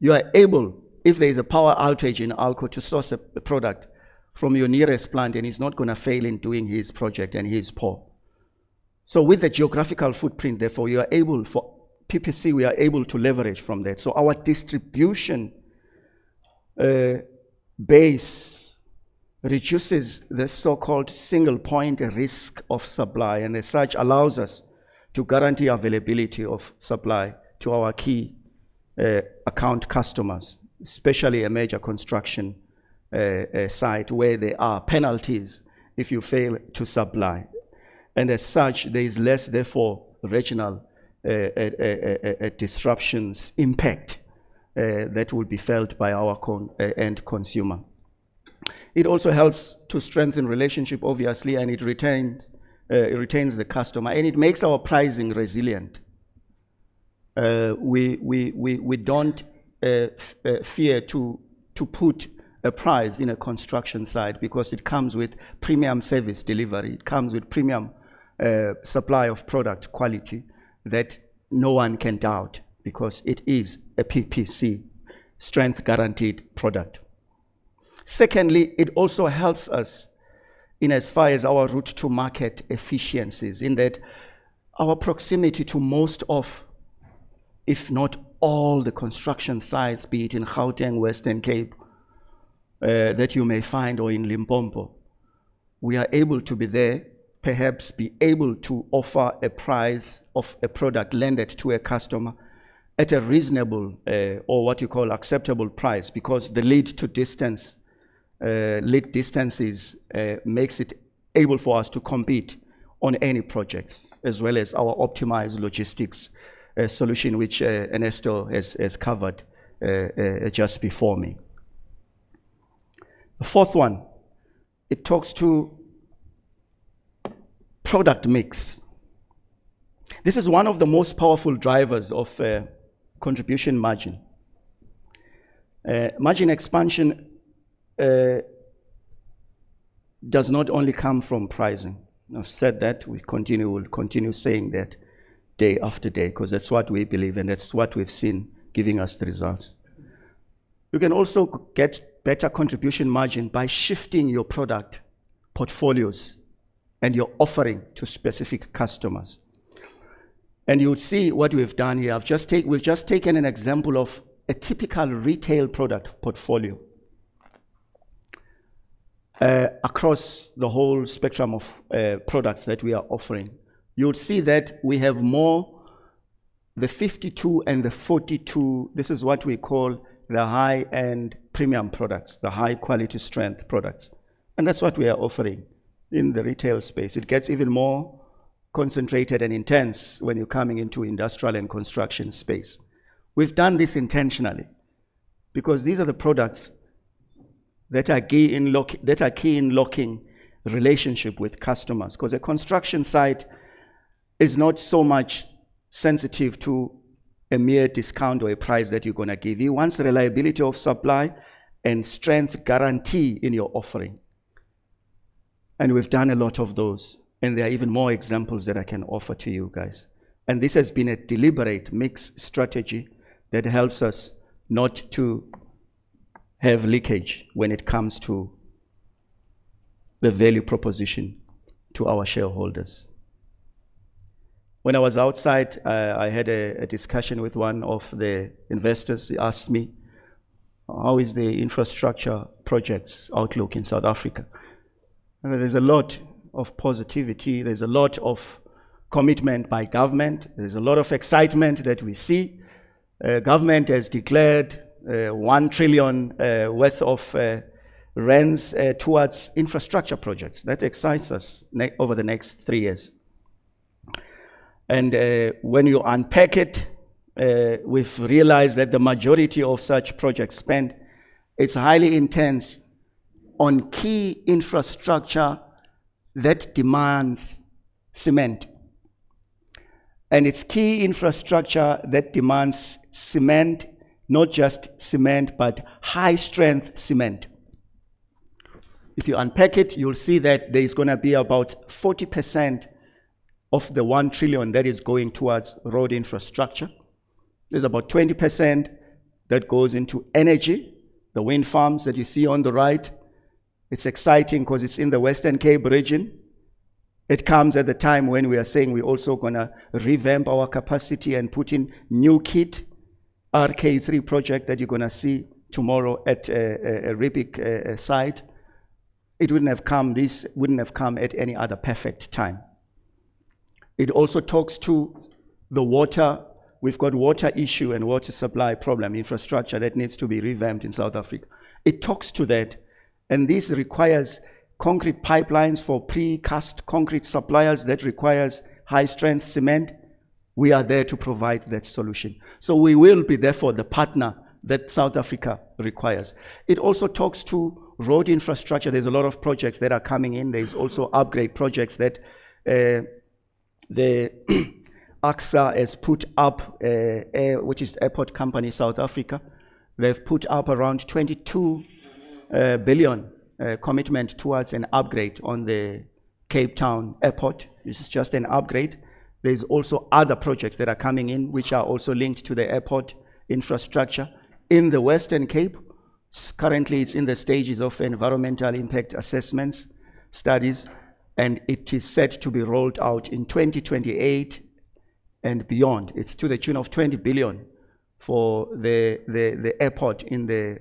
you are able, if there is a power outage in Ulco, to source a product from your nearest plant, and he's not gonna fail in doing his project and his pole. With the geographical footprint, therefore, you are able for PPC, we are able to leverage from that. Our distribution base reduces the so-called single point risk of supply, and as such, allows us to guarantee availability of supply to our key account customers, especially a major construction site where there are penalties if you fail to supply. As such, there is less, therefore, regional disruptions impact that will be felt by our end consumer. It also helps to strengthen relationship, obviously, and it retains the customer, and it makes our pricing resilient. We don't fear to put a price in a construction site because it comes with premium service delivery. It comes with premium supply of product quality that no one can doubt because it is a PPC strength guaranteed product. Secondly, it also helps us in as far as our route to market efficiencies, in that our proximity to most of, if not all, the construction sites, be it in Gauteng, Western Cape, that you may find or in Limpopo, we are able to be there, perhaps be able to offer a price of a product landed to a customer at a reasonable, or what you call acceptable price because the lead distances makes it able for us to compete on any projects as well as our optimized logistics solution which Ernesto has covered just before me. The fourth one, it talks to product mix. This is one of the most powerful drivers of contribution margin. Margin expansion does not only come from pricing. I've said that. We continue. We'll continue saying that day after day because that's what we believe, and that's what we've seen giving us the results. You can also get better contribution margin by shifting your product portfolios and your offering to specific customers. You'll see what we've done here. We've just taken an example of a typical retail product portfolio across the whole spectrum of products that we are offering. You'll see that we have more than 52 and the 42. This is what we call the high-end premium products, the high-quality strength products, and that's what we are offering in the retail space. It gets even more concentrated and intense when you're coming into industrial and construction space. We've done this intentionally. Because these are the products that are key in lock, that are key in locking relationship with customers. 'Cause a construction site is not so much sensitive to a mere discount or a price that you're gonna give. You want reliability of supply and strength guarantee in your offering. We've done a lot of those, and there are even more examples that I can offer to you guys. This has been a deliberate mix strategy that helps us not to have leakage when it comes to the value proposition to our shareholders. When I was outside, I had a discussion with one of the investors. He asked me, "How is the infrastructure projects outlook in South Africa?" There's a lot of positivity, there's a lot of commitment by government, there's a lot of excitement that we see. Government has declared 1 trillion worth of towards infrastructure projects. That excites us over the next three years. When you unpack it, we've realized that the majority of such project spend is highly intense on key infrastructure that demands cement. It's key infrastructure that demands cement, not just cement, but high-strength cement. If you unpack it, you'll see that there's gonna be about 40% of the 1 trillion that is going towards road infrastructure. There's about 20% that goes into energy, the wind farms that you see on the right. It's exciting 'cause it's in the Western Cape region. It comes at the time when we are saying we're also gonna revamp our capacity and put in new kit, RK3 project that you're gonna see tomorrow at Riebeek site. It wouldn't have come at any other perfect time. It also talks to the water. We've got water issue and water supply problem infrastructure that needs to be revamped in South Africa. It talks to that, and this requires concrete pipelines for precast concrete suppliers that requires high-strength cement. We are there to provide that solution. We will be therefore the partner that South Africa requires. It also talks to road infrastructure. There's a lot of projects that are coming in. There's also upgrade projects that the ACSA has put up, which is Airports Company South Africa. They've put up around 22 billion commitment towards an upgrade on the Cape Town airport. This is just an upgrade. There's also other projects that are coming in which are also linked to the airport infrastructure in the Western Cape. Currently, it's in the stages of environmental impact assessments, studies, and it is set to be rolled out in 2028 and beyond. It's to the tune of 20 billion for the airport in the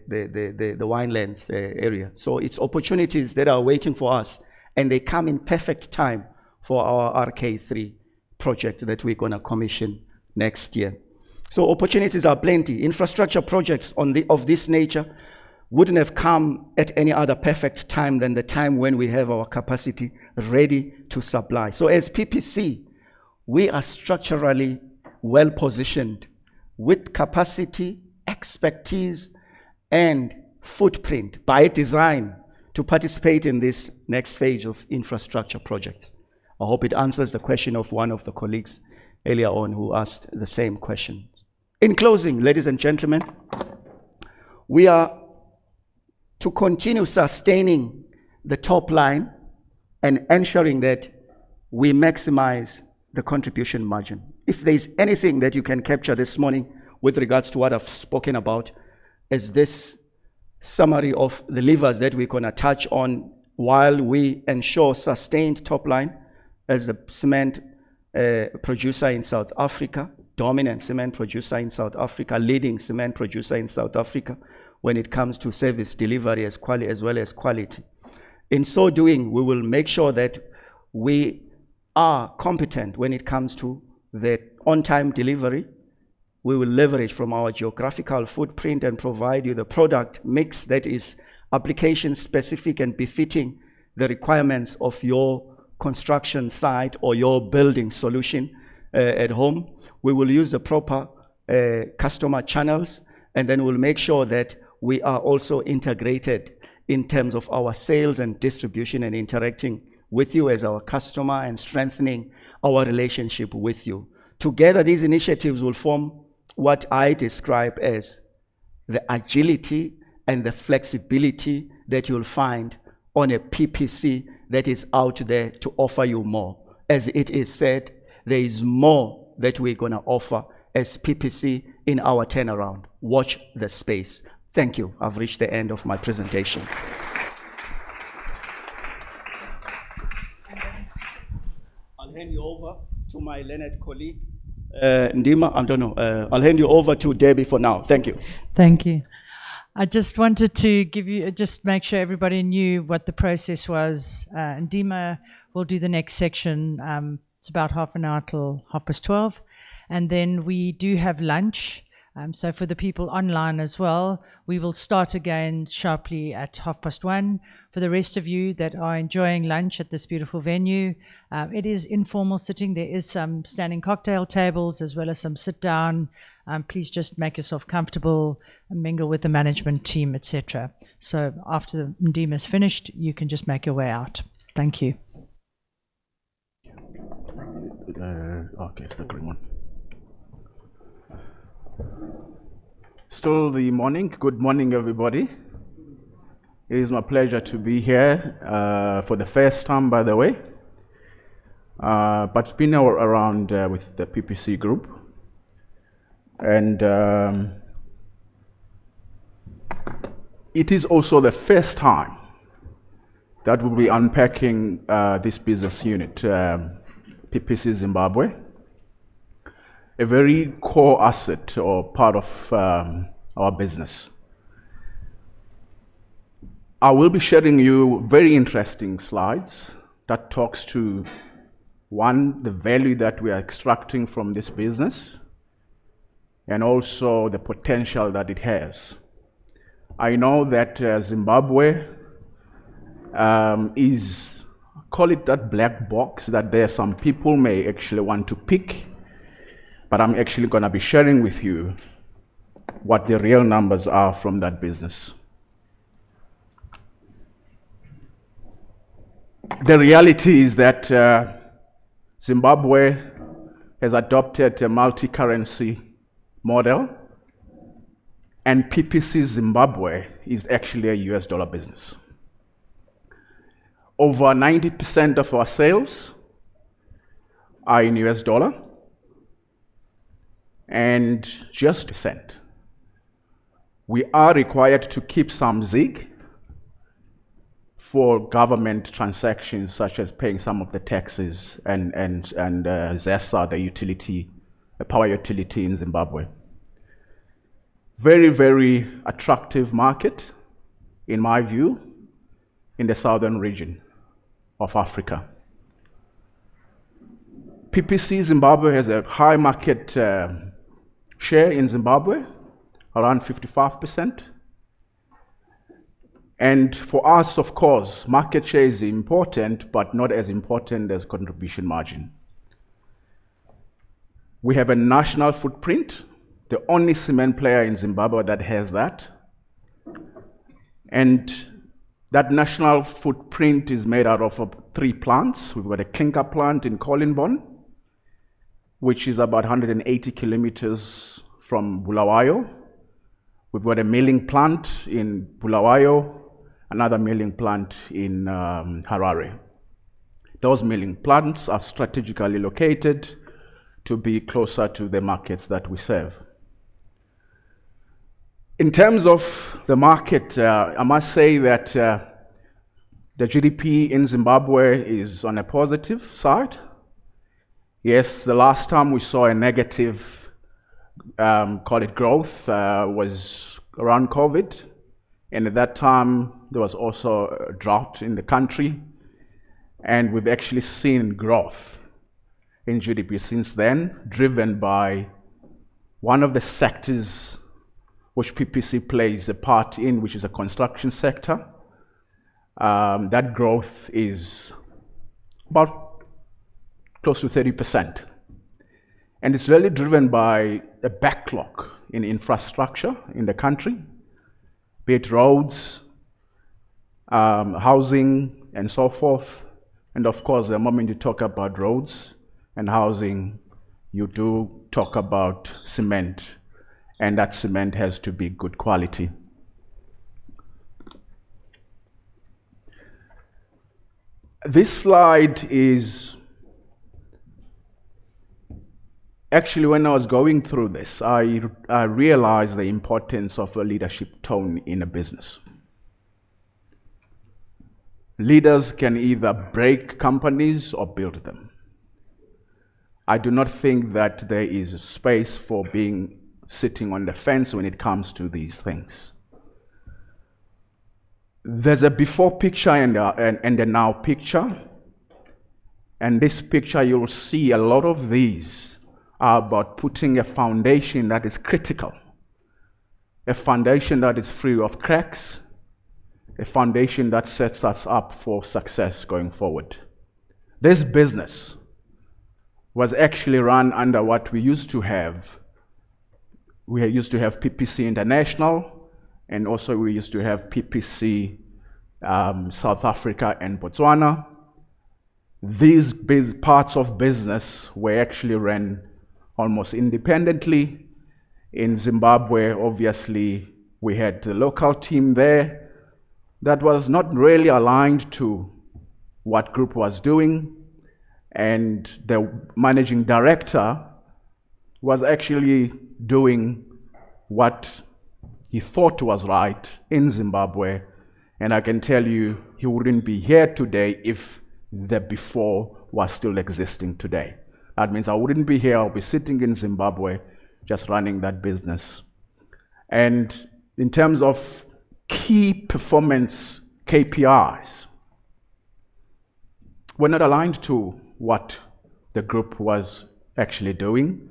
Winelands area. It's opportunities that are waiting for us, and they come in perfect time for our RK3 project that we're gonna commission next year. Opportunities are plenty. Infrastructure projects of this nature wouldn't have come at any other perfect time than the time when we have our capacity ready to supply. As PPC, we are structurally well-positioned with capacity, expertise, and footprint by design to participate in this next phase of infrastructure projects. I hope it answers the question of one of the colleagues earlier on who asked the same question. In closing, ladies and gentlemen, we are to continue sustaining the top line and ensuring that we maximize the contribution margin. If there's anything that you can capture this morning with regards to what I've spoken about, is this summary of the levers that we're gonna touch on while we ensure sustained top line as the cement producer in South Africa, dominant cement producer in South Africa, leading cement producer in South Africa when it comes to service delivery as well as quality. In so doing, we will make sure that we are competent when it comes to the on-time delivery. We will leverage from our geographical footprint and provide you the product mix that is application-specific and befitting the requirements of your construction site or your building solution at home. We will use the proper customer channels, and then we'll make sure that we are also integrated in terms of our sales and distribution and interacting with you as our customer and strengthening our relationship with you. Together, these initiatives will form what I describe as the agility and the flexibility that you'll find on a PPC that is out there to offer you more. As it is said, there is more that we're gonna offer as PPC in our turnaround. Watch this space. Thank you. I've reached the end of my presentation. I'll hand you over to my learned colleague, Ndima. I don't know. I'll hand you over to Debbie for now. Thank you. Thank you. I just wanted to make sure everybody knew what the process was. Ndima will do the next section. It's about half an hour till 12:30 P.M., and then we do have lunch. For the people online as well, we will start again sharply at 1:30 P.M. For the rest of you that are enjoying lunch at this beautiful venue, it is informal sitting. There is some standing cocktail tables as well as some sit-down. Please just make yourself comfortable and mingle with the management team, et cetera. After Ndima is finished, you can just make your way out. Thank you. It's the green one. It's still the morning. Good morning, everybody. It is my pleasure to be here for the first time, by the way, but it's been a while around with the PPC Group. It is also the first time that we'll be unpacking this business unit, PPC Zimbabwe, a very core asset or part of our business. I will be sharing with you very interesting slides that talk to one, the value that we are extracting from this business, and also the potential that it has. I know that Zimbabwe is, call it, that black box that some people may actually want to pick, but I'm actually gonna be sharing with you what the real numbers are from that business. The reality is that, Zimbabwe has adopted a multi-currency model, and PPC Zimbabwe is actually a US dollar business. Over 90% of our sales are in US dollar and just cents. We are required to keep some ZiG for government transactions such as paying some of the taxes and ZESA, the utility, the power utility in Zimbabwe. Very, very attractive market, in my view, in the southern region of Africa. PPC Zimbabwe has a high market share in Zimbabwe, around 55%. For us, of course, market share is important but not as important as contribution margin. We have a national footprint, the only cement player in Zimbabwe that has that. That national footprint is made out of three plants. We've got a clinker plant in Colleen Bawn, which is about 180 km from Bulawayo. We've got a milling plant in Bulawayo, another milling plant in Harare. Those milling plants are strategically located to be closer to the markets that we serve. In terms of the market, I must say that the GDP in Zimbabwe is on a positive side. Yes, the last time we saw a negative call it growth was around COVID, and at that time there was also a drought in the country, and we've actually seen growth in GDP since then, driven by one of the sectors which PPC plays a part in, which is the construction sector. That growth is about close to 30%, and it's really driven by a backlog in infrastructure in the country, be it roads, housing, and so forth. Of course, the moment you talk about roads and housing, you do talk about cement, and that cement has to be good quality. Actually, when I was going through this, I realized the importance of a leadership tone in a business. Leaders can either break companies or build them. I do not think that there is space for sitting on the fence when it comes to these things. There's a before picture and a now picture, and this picture you will see a lot of these are about putting a foundation that is critical, a foundation that is free of cracks, a foundation that sets us up for success going forward. This business was actually run under what we used to have. We used to have PPC International, and also we used to have PPC South Africa and Botswana. These business parts of business were actually ran almost independently. In Zimbabwe, obviously, we had the local team there that was not really aligned to what group was doing, and the managing director was actually doing what he thought was right in Zimbabwe. I can tell you, he wouldn't be here today if the board was still existing today. That means I wouldn't be here. I'll be sitting in Zimbabwe just running that business. In terms of key performance KPIs, were not aligned to what the group was actually doing.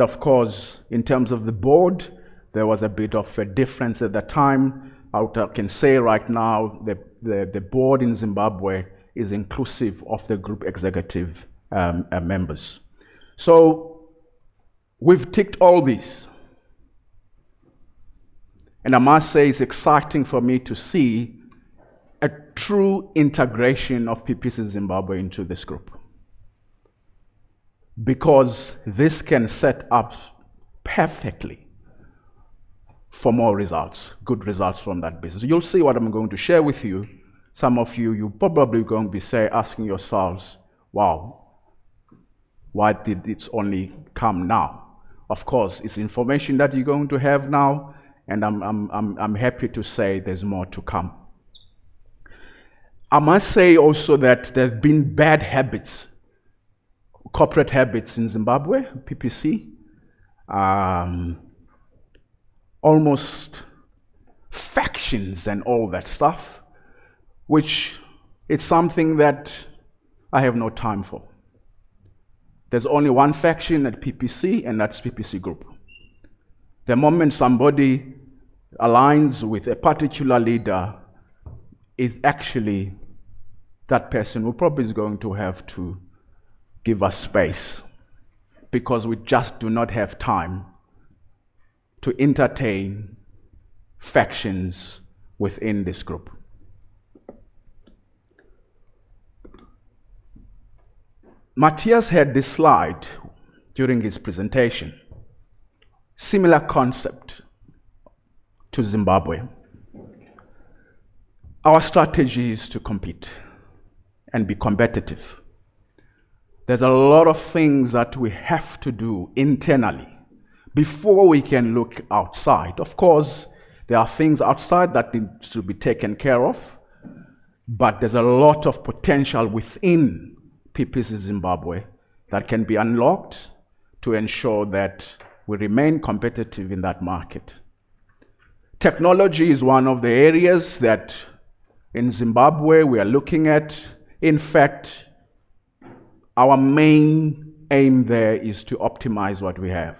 Of course, in terms of the board, there was a bit of a difference at the time. I can say right now the board in Zimbabwe is inclusive of the group executive members. We've ticked all these. I must say it's exciting for me to see a true integration of PPC Zimbabwe into this group. This can set up perfectly for more results, good results from that business. You'll see what I'm going to share with you. Some of you probably going to be asking yourselves, "Wow, why did this only come now?" Of course, it's information that you're going to have now and I'm happy to say there's more to come. I must say also that there have been bad habits, corporate habits in Zimbabwe, PPC. Almost factions and all that stuff, which it's something that I have no time for. There's only one faction at PPC, and that's PPC Group. The moment somebody aligns with a particular leader is actually that person will probably is going to have to give us space, because we just do not have time to entertain factions within this group. Matias had this slide during his presentation. Similar concept to Zimbabwe. Our strategy is to compete and be competitive. There's a lot of things that we have to do internally before we can look outside. Of course, there are things outside that needs to be taken care of, but there's a lot of potential within PPC Zimbabwe that can be unlocked to ensure that we remain competitive in that market. Technology is one of the areas that in Zimbabwe we are looking at. In fact, our main aim there is to optimize what we have.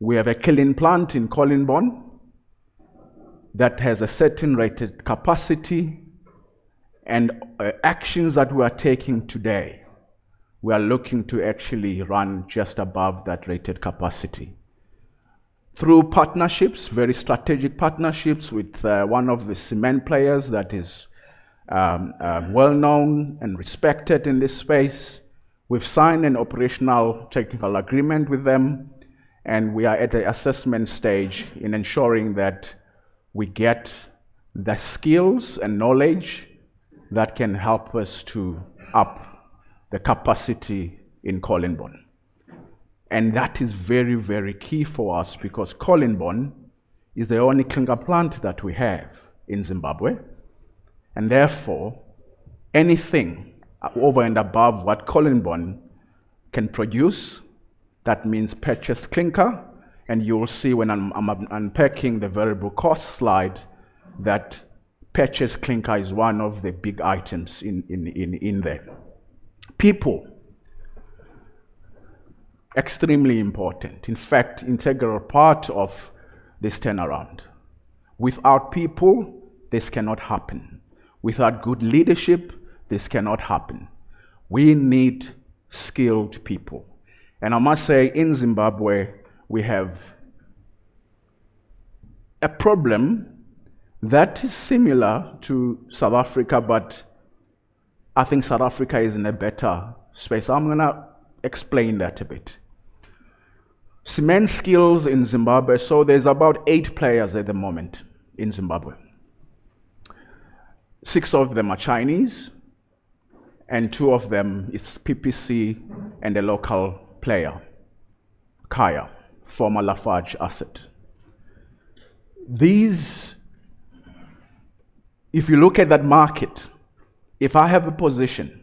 We have a clinker plant in Colleen Bawn that has a certain rated capacity, and actions that we are taking today, we are looking to actually run just above that rated capacity. Through partnerships, very strategic partnerships with one of the cement players that is well-known and respected in this space. We've signed an operational technical agreement with them, and we are at the assessment stage in ensuring that we get the skills and knowledge that can help us to up the capacity in Colleen Bawn. That is very, very key for us because Colleen Bawn is the only clinker plant that we have in Zimbabwe, and therefore, anything over and above what Colleen Bawn can produce, that means purchased clinker, and you will see when I'm unpacking the variable cost slide, that purchased clinker is one of the big items in there. People. Extremely important. In fact, integral part of this turnaround. Without people, this cannot happen. Without good leadership, this cannot happen. We need skilled people. I must say, in Zimbabwe, we have a problem that is similar to South Africa, but I think South Africa is in a better space. I'm gonna explain that a bit. Cement skills in Zimbabwe. So there's about eight players at the moment in Zimbabwe. Six of them are Chinese, and two of them is PPC and a local player, Khayah, former Lafarge asset. These. If you look at that market, if I have a position,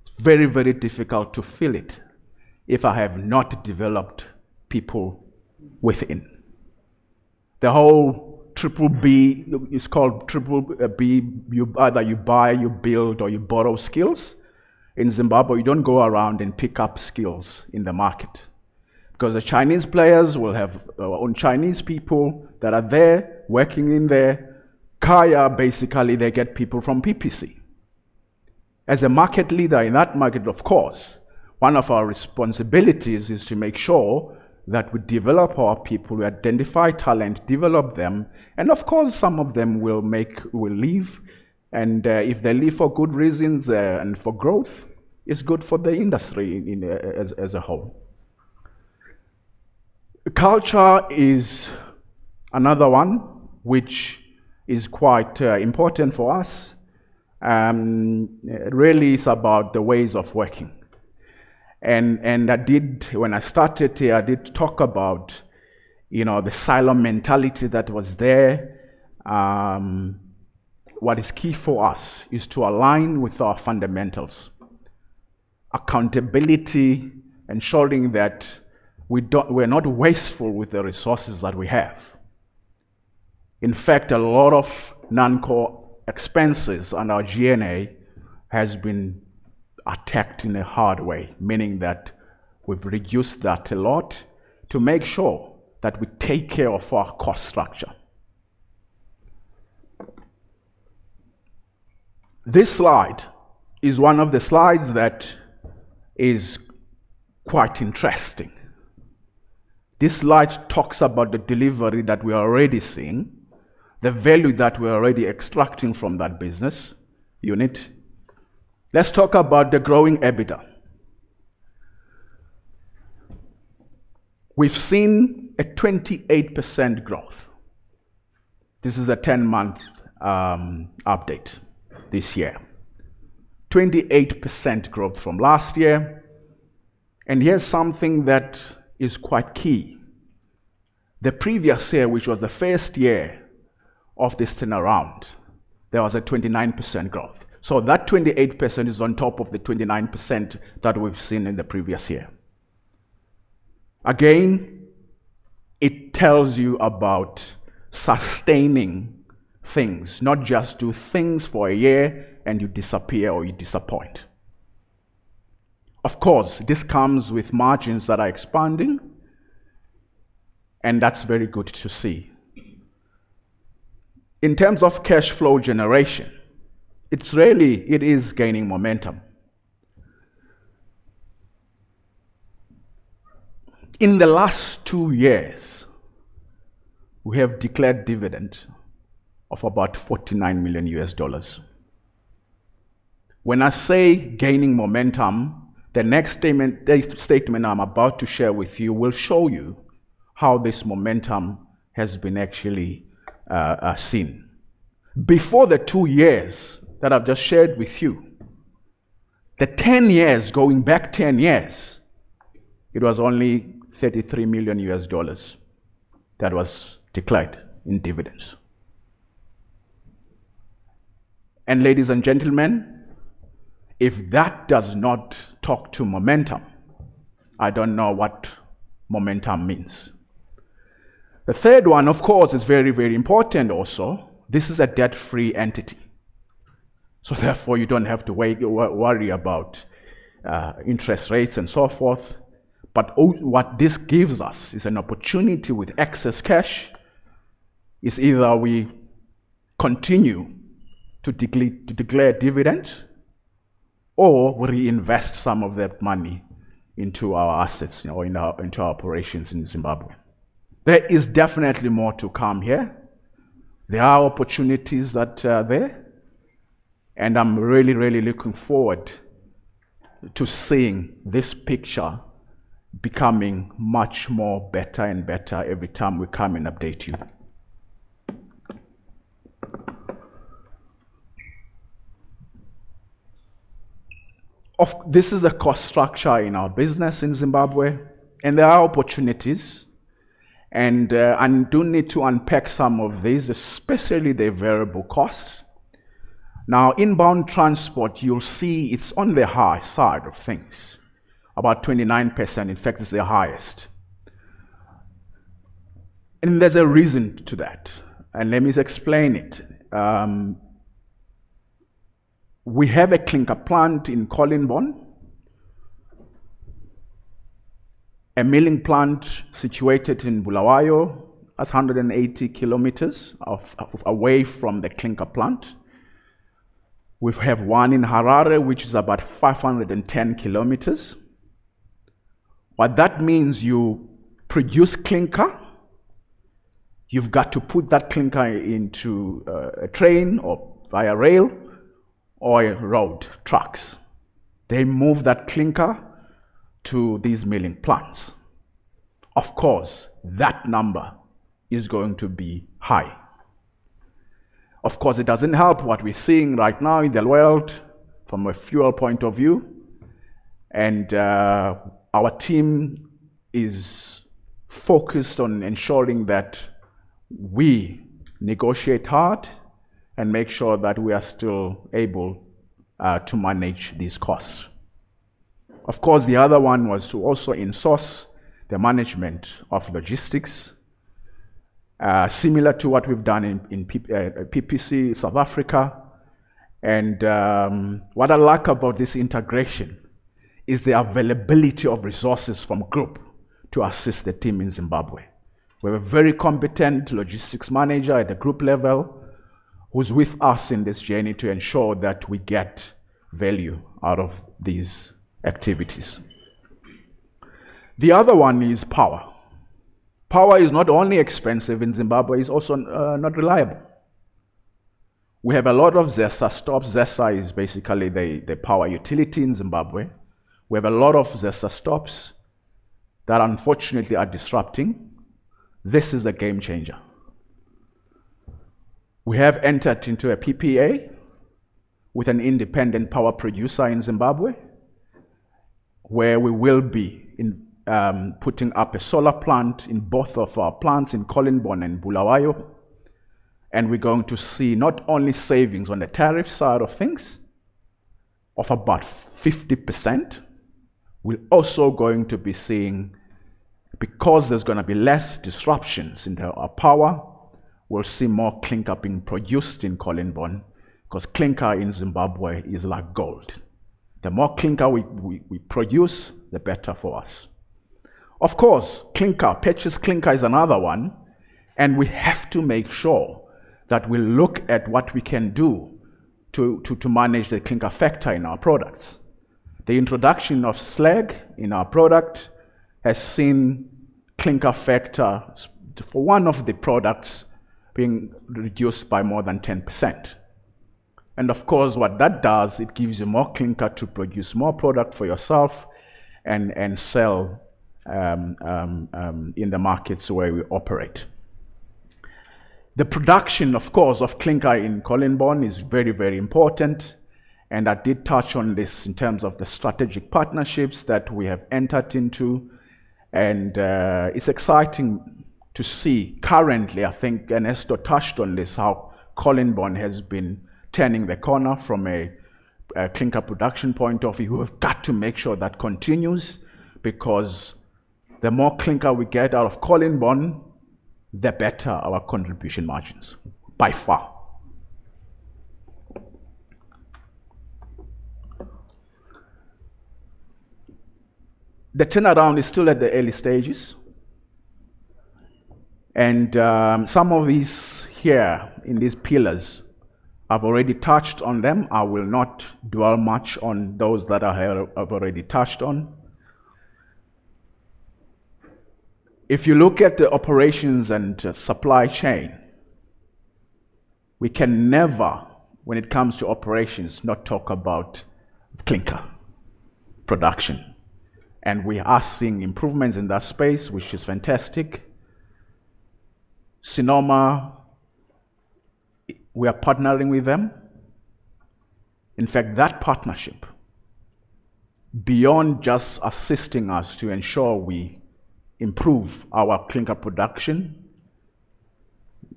it's very, very difficult to fill it if I have not developed people within. The whole triple B, it's called triple B, you either buy, you build, or you borrow skills. In Zimbabwe, you don't go around and pick up skills in the market, because the Chinese players will have their own Chinese people that are there working in there. Khayah, basically they get people from PPC. As a market leader in that market, of course, one of our responsibilities is to make sure that we develop our people, we identify talent, develop them, and of course, some of them will leave, and if they leave for good reasons and for growth, it's good for the industry as a whole. Culture is another one which is quite important for us. It really is about the ways of working. When I started here, I did talk about, you know, the silo mentality that was there. What is key for us is to align with our fundamentals. Accountability, ensuring that we're not wasteful with the resources that we have. In fact, a lot of non-core expenses on our G&A has been attacked in a hard way, meaning that we've reduced that a lot to make sure that we take care of our cost structure. This slide is one of the slides that is quite interesting. This slide talks about the delivery that we are already seeing, the value that we are already extracting from that business unit. Let's talk about the growing EBITDA. We've seen a 28% growth. This is a 10-month update this year. 28% growth from last year. Here's something that is quite key. The previous year, which was the first year of this turnaround, there was a 29% growth. That 28% is on top of the 29% that we've seen in the previous year. It tells you about sustaining things, not just do things for a year and you disappear or you disappoint. Of course, this comes with margins that are expanding, and that's very good to see. In terms of cash flow generation, it's really gaining momentum. In the last two years, we have declared dividend of about $49 million. When I say gaining momentum, the next statement, the statement I'm about to share with you will show you how this momentum has been actually seen. Before the two years that I've just shared with you, the 10 years, going back 10 years, it was only $33 million that was declared in dividends. Ladies and gentlemen, if that does not talk to momentum, I don't know what momentum means. The third one, of course, is very, very important also. This is a debt-free entity. Therefore, you don't have to worry about interest rates and so forth. What this gives us is an opportunity with excess cash, either we continue to declare dividend, or we reinvest some of that money into our assets or into our operations in Zimbabwe. There is definitely more to come here. There are opportunities that are there, and I'm really looking forward to seeing this picture becoming much more better and better every time we come and update you. This is a cost structure in our business in Zimbabwe, and there are opportunities, and I do need to unpack some of these, especially the variable costs. Now, inbound transport, you'll see it's on the high side of things. About 29%, in fact, is the highest. There's a reason to that and let me explain it. We have a clinker plant in Colleen Bawn, a milling plant situated in Bulawayo. That's 180 km away from the clinker plant. We have one in Harare, which is about 510 km. What that means, you produce clinker. You've got to put that clinker into a train or via rail or road trucks. They move that clinker to these milling plants. Of course, that number is going to be high. Of course, it doesn't help what we're seeing right now in the world from a fuel point of view. Our team is focused on ensuring that we negotiate hard and make sure that we are still able to manage these costs. Of course, the other one was to also insource the management of logistics, similar to what we've done in PPC South Africa. What I like about this integration is the availability of resources from group to assist the team in Zimbabwe. We have a very competent logistics manager at the group level who's with us in this journey to ensure that we get value out of these activities. The other one is power. Power is not only expensive in Zimbabwe, it's also not reliable. We have a lot of ZESA stops. ZESA is basically the power utility in Zimbabwe. We have a lot of ZESA stops that unfortunately are disrupting. This is a game changer. We have entered into a PPA with an independent power producer in Zimbabwe, where we will be putting up a solar plant in both of our plants in Colleen Bawn and Bulawayo. We're going to see not only savings on the tariff side of things of about 50%, we're also going to be seeing, because there's gonna be less disruptions in our power, we'll see more clinker being produced in Colleen Bawn because clinker in Zimbabwe is like gold. The more clinker we produce, the better for us. Of course, purchased clinker is another one, and we have to make sure that we look at what we can do to manage the clinker factor in our products. The introduction of slag in our product has seen clinker factor, for one of the products, being reduced by more than 10%. Of course, what that does, it gives you more clinker to produce more product for yourself and sell in the markets where we operate. The production, of course, of clinker in Colleen Bawn is very, very important, and I did touch on this in terms of the strategic partnerships that we have entered into. It's exciting to see currently, I think, and Ernesto touched on this, how Colleen Bawn has been turning the corner from a clinker production point of view. We've got to make sure that continues because the more clinker we get out of Colleen Bawn, the better our contribution margins, by far. The turnaround is still at the early stages. Some of these here in these pillars, I've already touched on them. I will not dwell much on those that I've already touched on. If you look at the operations and supply chain, we can never, when it comes to operations, not talk about clinker production. We are seeing improvements in that space, which is fantastic. Sinoma, we are partnering with them. In fact, that partnership, beyond just assisting us to ensure we improve our clinker production,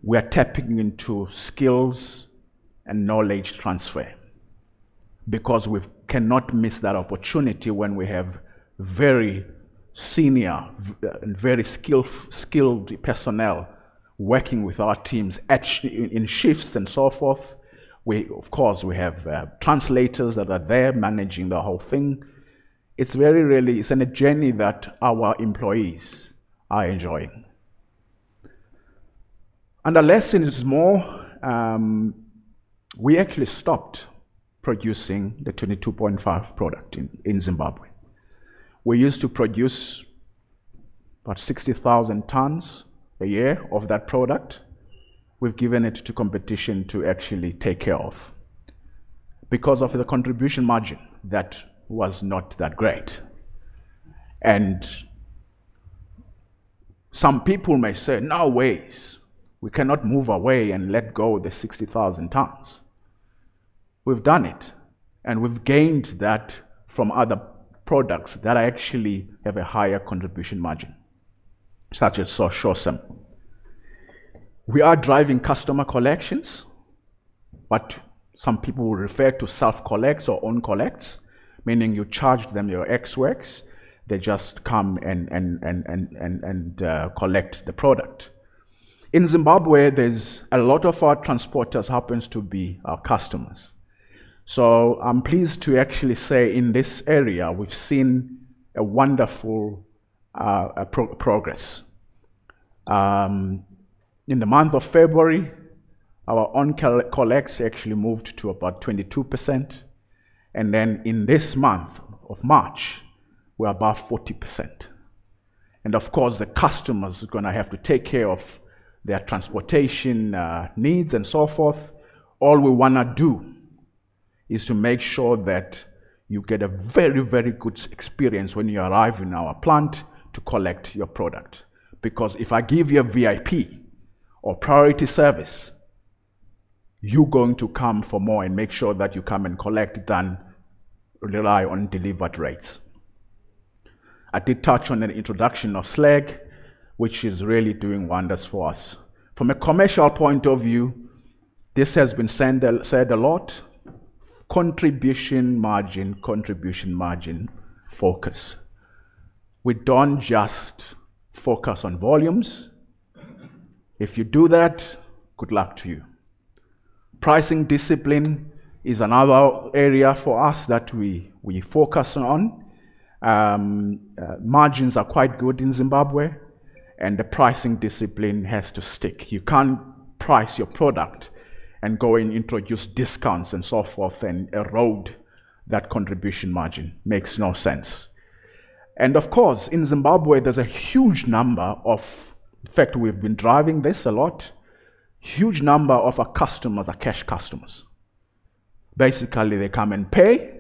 we are tapping into skills and knowledge transfer because we cannot miss that opportunity when we have very senior very skilled personnel working with our teams actually in shifts and so forth. Of course, we have translators that are there managing the whole thing. It's very real. It's a journey that our employees are enjoying. The lesson is more, we actually stopped producing the 22.5 product in Zimbabwe. We used to produce about 60,000 tonnes a year of that product. We've given it to competition to actually take care of because of the contribution margin that was not that great. Some people may say, "No ways. We cannot move away and let go the 60,000 tonnes." We've done it, and we've gained that from other products that actually have a higher contribution margin, such as SURECEM. We are driving customer collections. What some people refer to self-collects or own collects, meaning you charge them your ex works. They just come and collect the product. In Zimbabwe, there's a lot of our transporters happens to be our customers. I'm pleased to actually say in this area, we've seen a wonderful progress. In the month of February, our own collects actually moved to about 22%, and then in this month of March, we're above 40%. Of course, the customers are gonna have to take care of their transportation needs and so forth. All we wanna do is to make sure that you get a very, very good experience when you arrive in our plant to collect your product. Because if I give you a VIP or priority service, you're going to come for more and make sure that you come and collect than rely on delivered rates. I did touch on the introduction of slag, which is really doing wonders for us. From a commercial point of view, this has been said a lot. Contribution margin, contribution margin focus. We don't just focus on volumes. If you do that, good luck to you. Pricing discipline is another area for us that we focus on. Margins are quite good in Zimbabwe, and the pricing discipline has to stick. You can't price your product and go and introduce discounts and so forth and erode that contribution margin. Makes no sense. Of course, in Zimbabwe, there's a huge number of. In fact, we've been driving this a lot. Huge number of our customers are cash customers. Basically, they come and pay,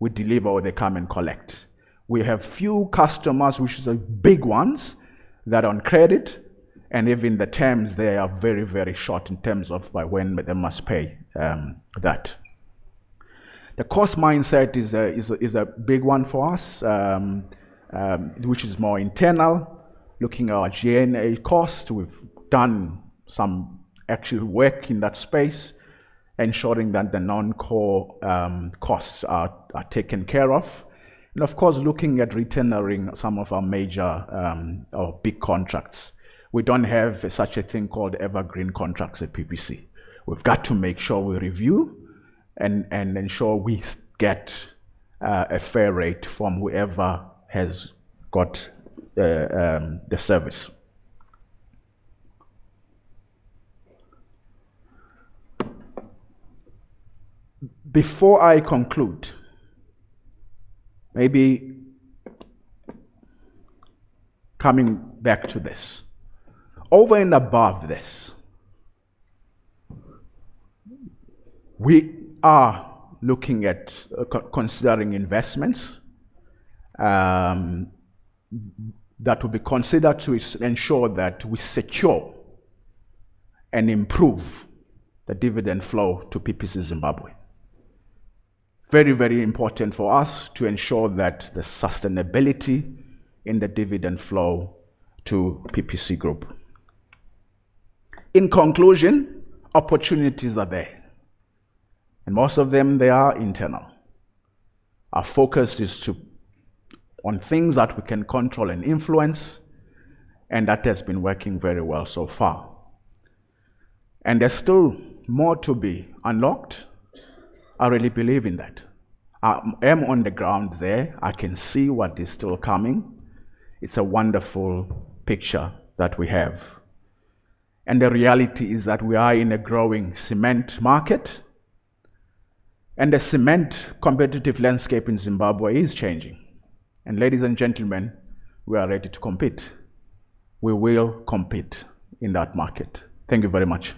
we deliver, or they come and collect. We have few customers, which is, like, big ones that are on credit, and even the terms, they are very, very short in terms of by when they must pay, that. The cost mindset is a big one for us, which is more internal. Looking at our G&A cost, we've done some actual work in that space, ensuring that the non-core costs are taken care of. Of course, looking at retendering some of our major or big contracts. We don't have such a thing called evergreen contracts at PPC. We've got to make sure we review and ensure we get a fair rate from whoever has got the service. Before I conclude, maybe coming back to this. Over and above this, we are looking at considering investments that will be considered to ensure that we secure and improve the dividend flow to PPC Zimbabwe. Very, very important for us to ensure that the sustainability in the dividend flow to PPC group. In conclusion, opportunities are there, and most of them, they are internal. Our focus is on things that we can control and influence, and that has been working very well so far. There's still more to be unlocked. I really believe in that. I am on the ground there. I can see what is still coming. It's a wonderful picture that we have. The reality is that we are in a growing cement market, and the cement competitive landscape in Zimbabwe is changing. Ladies and gentlemen, we are ready to compete. We will compete in that market. Thank you very much.